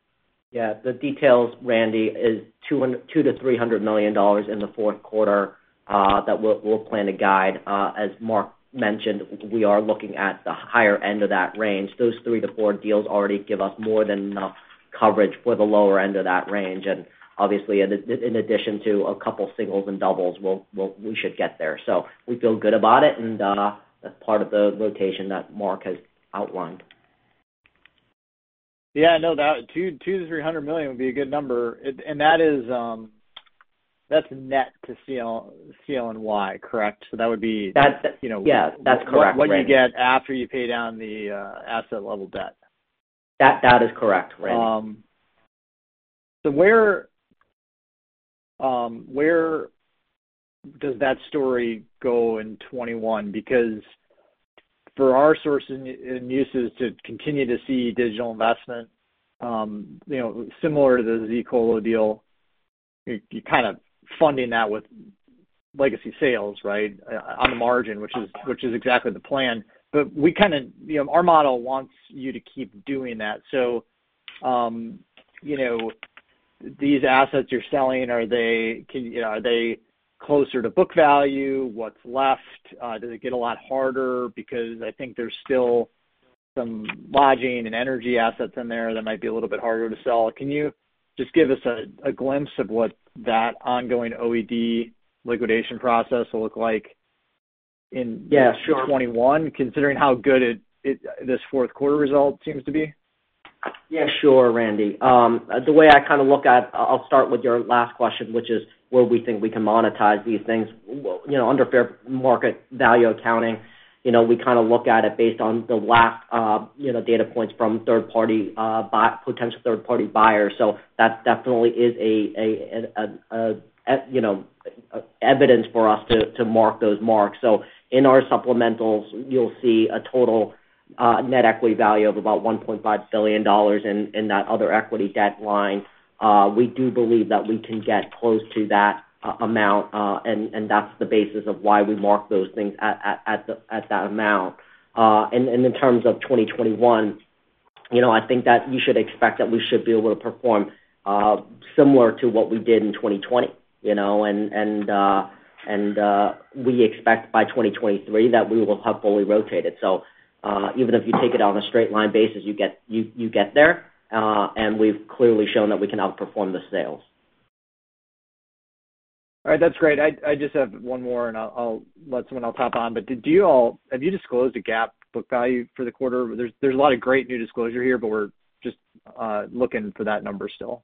Yeah. The details, Randy, is $200 million to $300 million in the fourth quarter that we'll plan to guide. As Mark mentioned, we are looking at the higher end of that range. Those three to four deals already give us more than enough coverage for the lower end of that range and obviously, in addition to a couple of singles and doubles, we should get there. So we feel good about it, and that's part of the rotation that Mark has outlined. Yeah. No, $200 million to $300 million would be a good number and that's net to CLNY, correct? So that would be Yeah, that's correct. When you get after you pay down the asset-level debt. That is correct, Randy. So where does that story go in 2021? Because for our sources and uses to continue to see digital investment, similar to the zColo deal, you're kind of funding that with legacy sales, right, on the margin, which is exactly the plan. But our model wants you to keep doing that. So these assets you're selling, are they closer to book value? What's left? Does it get a lot harder? Because I think there's still some lodging and energy assets in there that might be a little bit harder to sell. Can you just give us a glimpse of what that ongoing OED liquidation process will look like in 2021, considering how good this fourth quarter result seems to be? Yeah, sure, Randy. The way I kind of look at it, I'll start with your last question, which is where we think we can monetize these things. Under fair market value accounting, we kind of look at it based on the last data points from potential third-party buyers. So that definitely is evidence for us to mark those marks. So in our supplementals, you'll see a total net equity value of about $1.5 billion in that other equity and debt line. We do believe that we can get close to that amount. That's the basis of why we mark those things at that amount. In terms of 2021, I think that you should expect that we should be able to perform similar to what we did in 2020. We expect by 2023 that we will have fully rotated. Even if you take it on a straight line basis, you get there. We've clearly shown that we can outperform the sales. All right. That's great. I just have one more, and I'll let someone else hop on. But have you disclosed a GAAP book value for the quarter? There's a lot of great new disclosure here, but we're just looking for that number still.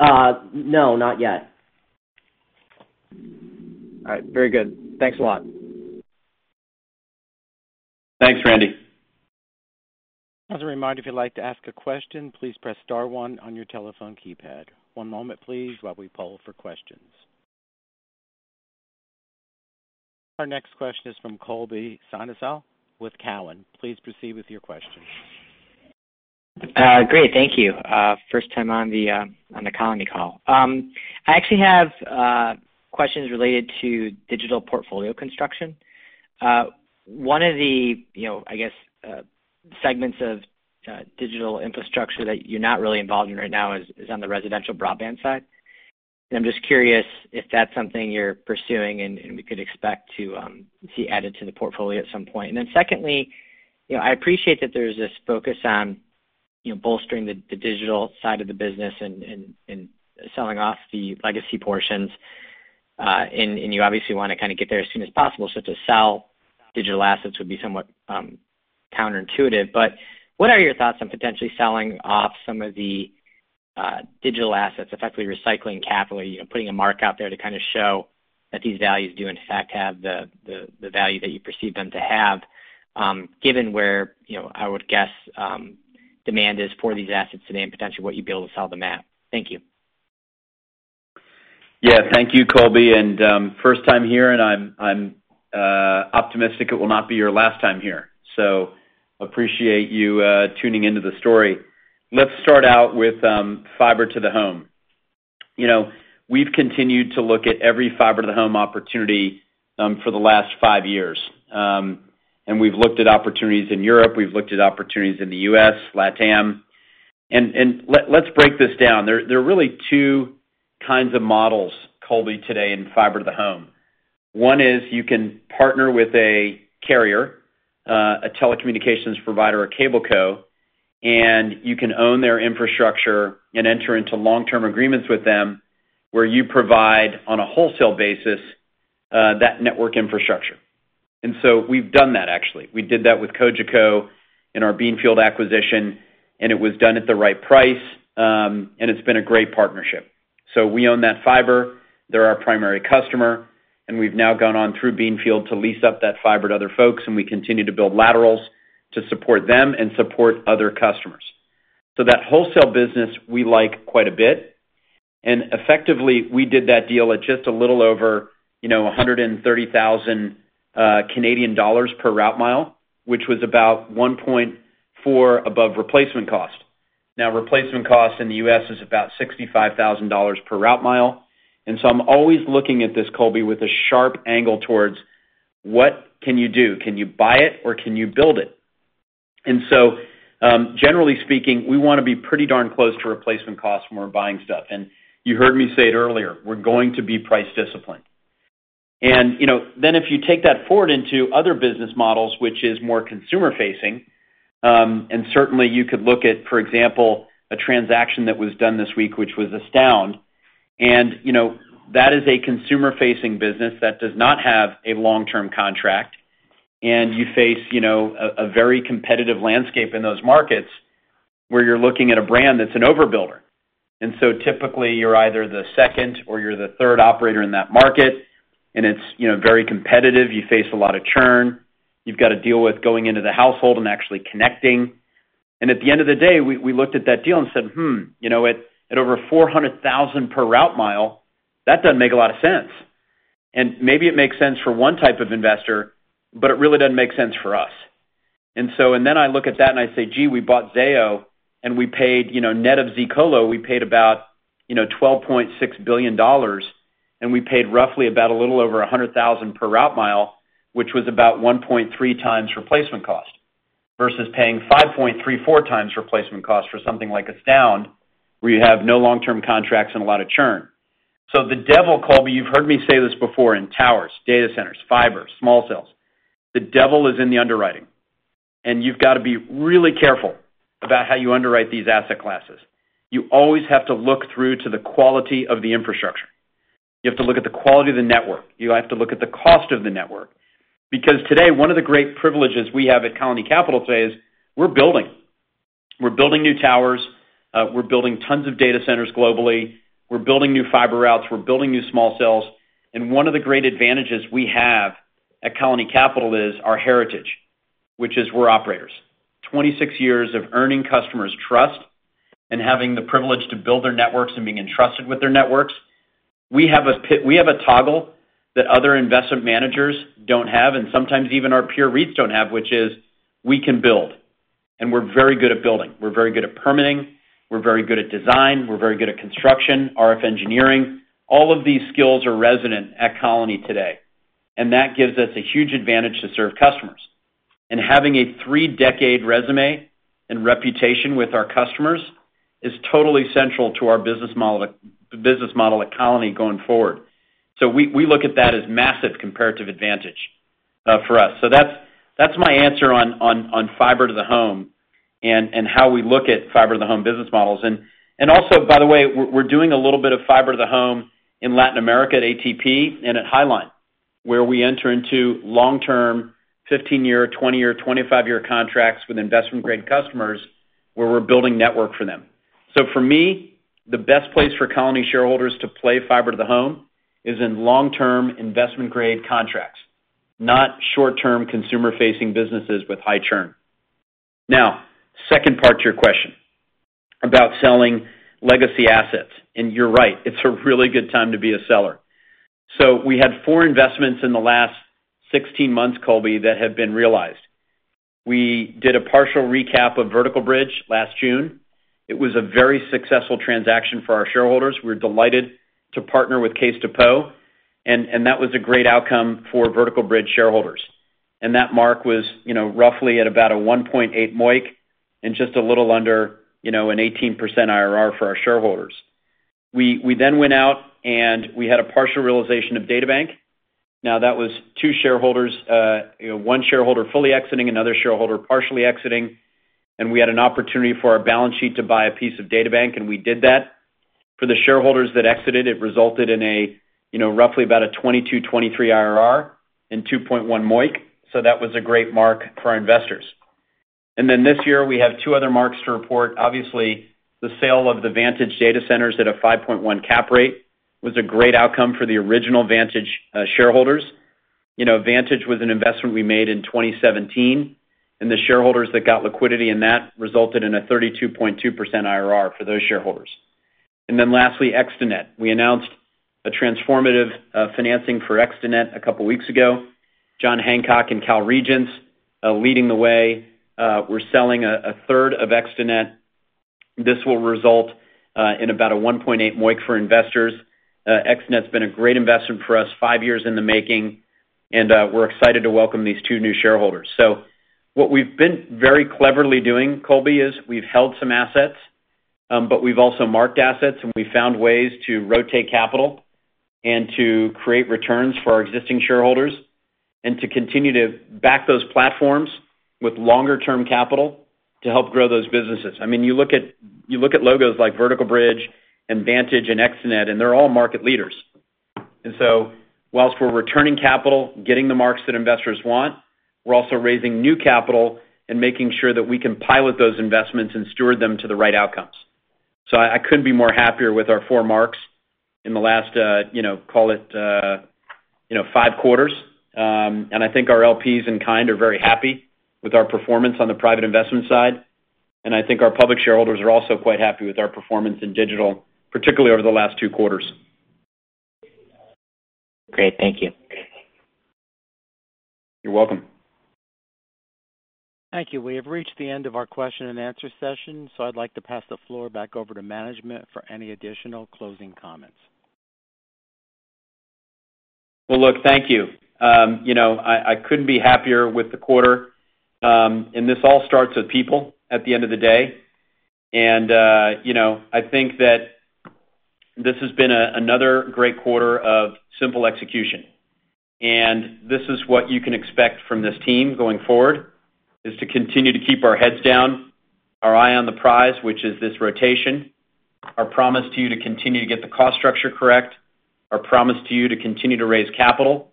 No, not yet. All right. Very good. Thanks a lot. Thanks, Randy. As a reminder, if you'd like to ask a question, please press star one on your telephone keypad. One moment, please, while we poll for questions. Our next question is from Colby Synesael with Cowen. Please proceed with your question. Great. Thank you. First time on the Colony call. I actually have questions related to digital portfolio construction. One of the, I guess, segments of digital infrastructure that you're not really involved in right now is on the residential broadband side. I'm just curious if that's something you're pursuing and we could expect to see added to the portfolio at some point. Then secondly, I appreciate that there's this focus on bolstering the digital side of the business and selling off the legacy portions, and you obviously want to kind of get there as soon as possible. So to sell digital assets would be somewhat counterintuitive. But what are your thoughts on potentially selling off some of the digital assets, effectively recycling capital, putting a mark out there to kind of show that these values do, in fact, have the value that you perceive them to have, given where I would guess demand is for these assets today and potentially what you'd be able to sell them at? Thank you. Yeah. Thank you, Colby. First time here, and I'm optimistic it will not be your last time here. So appreciate you tuning into the story. Let's start out with fiber-to-the-home. We've continued to look at every fiber-to-the-home opportunity for the last five years, and we've looked at opportunities in Europe. We've looked at opportunities in the U.S., LATAM. Let's break this down. There are really two kinds of models, Colby, today in fiber-to-the-home. One is you can partner with a carrier, a telecommunications provider, a cable co, and you can own their infrastructure and enter into long-term agreements with them where you provide, on a wholesale basis, that network infrastructure, and so we've done that, actually. We did that with Cogeco in our Beanfield acquisition, and it was done at the right price, and it's been a great partnership, so we own that fiber. They're our primary customer, and we've now gone on through Beanfield to lease up that fiber to other folks, and we continue to build laterals to support them and support other customers, so that wholesale business, we like quite a bit, and effectively, we did that deal at just a little over 130,000 Canadian dollars per route mile, which was about 1.4 above replacement cost. Now, replacement cost in the U.S. is about $65,000 per route mile. So I'm always looking at this, Colby, with a sharp angle towards what can you do? Can you buy it, or can you build it? So generally speaking, we want to be pretty darn close to replacement cost when we're buying stuff and you heard me say it earlier. We're going to be price disciplined. Then if you take that forward into other business models, which is more consumer-facing, and certainly you could look at, for example, a transaction that was done this week, which was Astound, and that is a consumer-facing business that does not have a long-term contract and you face a very competitive landscape in those markets where you're looking at a brand that's an overbuilder. So typically, you're either the second or you're the third operator in that market, and it's very competitive. You face a lot of churn. You've got to deal with going into the household and actually connecting and at the end of the day, we looked at that deal and said, at over $400,000 per route mile, that doesn't make a lot of sense. Maybe it makes sense for one type of investor, but it really doesn't make sense for us. Then I look at that and I say, "Gee, we bought Zayo, and we paid net of zColo, we paid about $12.6 billion, and we paid roughly about a little over $100,000 per route mile, which was about 1.3x replacement cost versus paying 5.34x replacement cost for something like Astound, where you have no long-term contracts and a lot of churn." So the devil, Colby, you've heard me say this before, in towers, data centers, fiber, small cells, the devil is in the underwriting. You've got to be really careful about how you underwrite these asset classes. You always have to look through to the quality of the infrastructure. You have to look at the quality of the network. You have to look at the cost of the network because today, one of the great privileges we have at Colony Capital today is we're building. We're building new towers. We're building tons of data centers globally. We're building new fiber routes. We're building new small cells. One of the great advantages we have at Colony Capital is our heritage, which is we're operators. 26 years of earning customers' trust and having the privilege to build their networks and being entrusted with their networks. We have a toggle that other investment managers don't have, and sometimes even our peer REITs don't have, which is we can build. We're very good at building. We're very good at permitting. We're very good at design. We're very good at construction, RF engineering. All of these skills are resonant at Colony today, and that gives us a huge advantage to serve customers. Having a three-decade resume and reputation with our customers is totally central to our business model at Colony going forward. So we look at that as massive comparative advantage for us. So that's my answer on fiber-to-the-home and how we look at fiber-to-the-home business models. Also, by the way, we're doing a little bit of fiber-to-the-home in Latin America at ATP and at Highline, where we enter into long-term, 15-year, 20-year, 25-year contracts with investment-grade customers where we're building network for them. For me, the best place for Colony shareholders to play fiber-to-the-home is in long-term investment-grade contracts, not short-term consumer-facing businesses with high churn. Now, second part to your question about selling legacy assets, and you're right. It's a really good time to be a seller, so we had four investments in the last 16 months, Colby, that have been realized. We did a partial recap of Vertical Bridge last June. It was a very successful transaction for our shareholders. We're delighted to partner with Caisse de dépôt, and that was a great outcome for Vertical Bridge shareholders, and that mark was roughly at about a 1.8 MOIC and just a little under an 18% IRR for our shareholders. We then went out and we had a partial realization of DataBank. Now, that was two shareholders, one shareholder fully exiting, another shareholder partially exiting. We had an opportunity for our balance sheet to buy a piece of DataBank, and we did that. For the shareholders that exited, it resulted in roughly about a 22%-23% IRR and 2.1 MOIC. That was a great mark for our investors. Then this year, we have two other marks to report. Obviously, the sale of the Vantage Data Centers at a 5.1% GAAP rate was a great outcome for the original Vantage shareholders. Vantage was an investment we made in 2017. The shareholders that got liquidity in that resulted in a 32.2% IRR for those shareholders. Then lastly, ExteNet. We announced a transformative financing for ExteNet a couple of weeks ago. John Hancock and CDPQ leading the way were selling a third of ExteNet. This will result in about a 1.8 MOIC for investors. ExteNet's been a great investment for us, five years in the making. We're excited to welcome these two new shareholders. What we've been very cleverly doing, Colby, is we've held some assets, but we've also marked assets, and we've found ways to rotate capital and to create returns for our existing shareholders and to continue to back those platforms with longer-term capital to help grow those businesses. I mean, you look at logos like Vertical Bridge and Vantage and ExteNet, and they're all market leaders. While we're returning capital, getting the marks that investors want, we're also raising new capital and making sure that we can pilot those investments and steward them to the right outcomes. I couldn't be more happier with our four marks in the last, call it, five quarters. I think our LPs and clients are very happy with our performance on the private investment side. I think our public shareholders are also quite happy with our performance in digital, particularly over the last two quarters. Great. Thank you. You're welcome. Thank you. We have reached the end of our question and answer session. I'd like to pass the floor back over to management for any additional closing comments. Look, thank you. I couldn't be happier with the quarter. This all starts with people at the end of the day. I think that this has been another great quarter of simple execution. This is what you can expect from this team going forward, is to continue to keep our heads down, our eye on the prize, which is this rotation, our promise to you to continue to get the cost structure correct, our promise to you to continue to raise capital,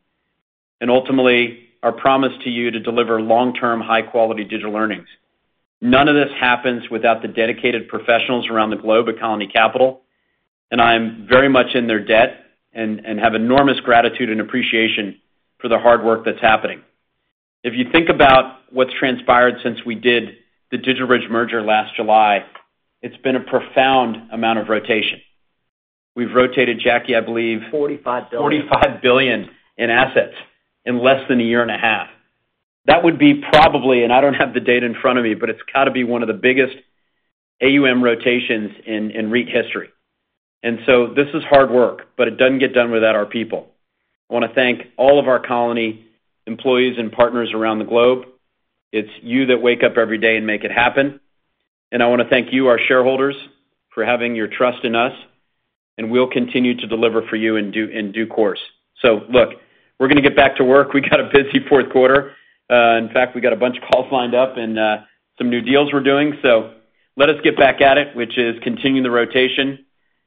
and ultimately, our promise to you to deliver long-term, high-quality digital learnings. None of this happens without the dedicated professionals around the globe at Colony Capital, and I'm very much in their debt and have enormous gratitude and appreciation for the hard work that's happening. If you think about what's transpired since we did the DigitalBridge merger last July, it's been a profound amount of rotation. We've rotated, Jacky, I believe, $45 billion in assets in less than a year and a half. That would be probably, and I don't have the data in front of me, but it's got to be one of the biggest AUM rotations in REIT history, and so this is hard work, but it doesn't get done without our people. I want to thank all of our Colony employees and partners around the globe. It's you that wake up every day and make it happen. I want to thank you, our shareholders, for having your trust in us, and we'll continue to deliver for you in due course. So look, we're going to get back to work. We got a busy fourth quarter. In fact, we got a bunch of calls lined up and some new deals we're doing. So let us get back at it, which is continuing the rotation.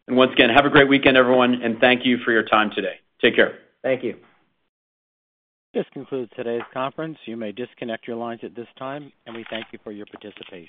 Once again, have a great weekend, everyone and thank you for your time today. Take care. Thank you. This concludes today's conference. You may disconnect your lines at this time, and we thank you for your participation.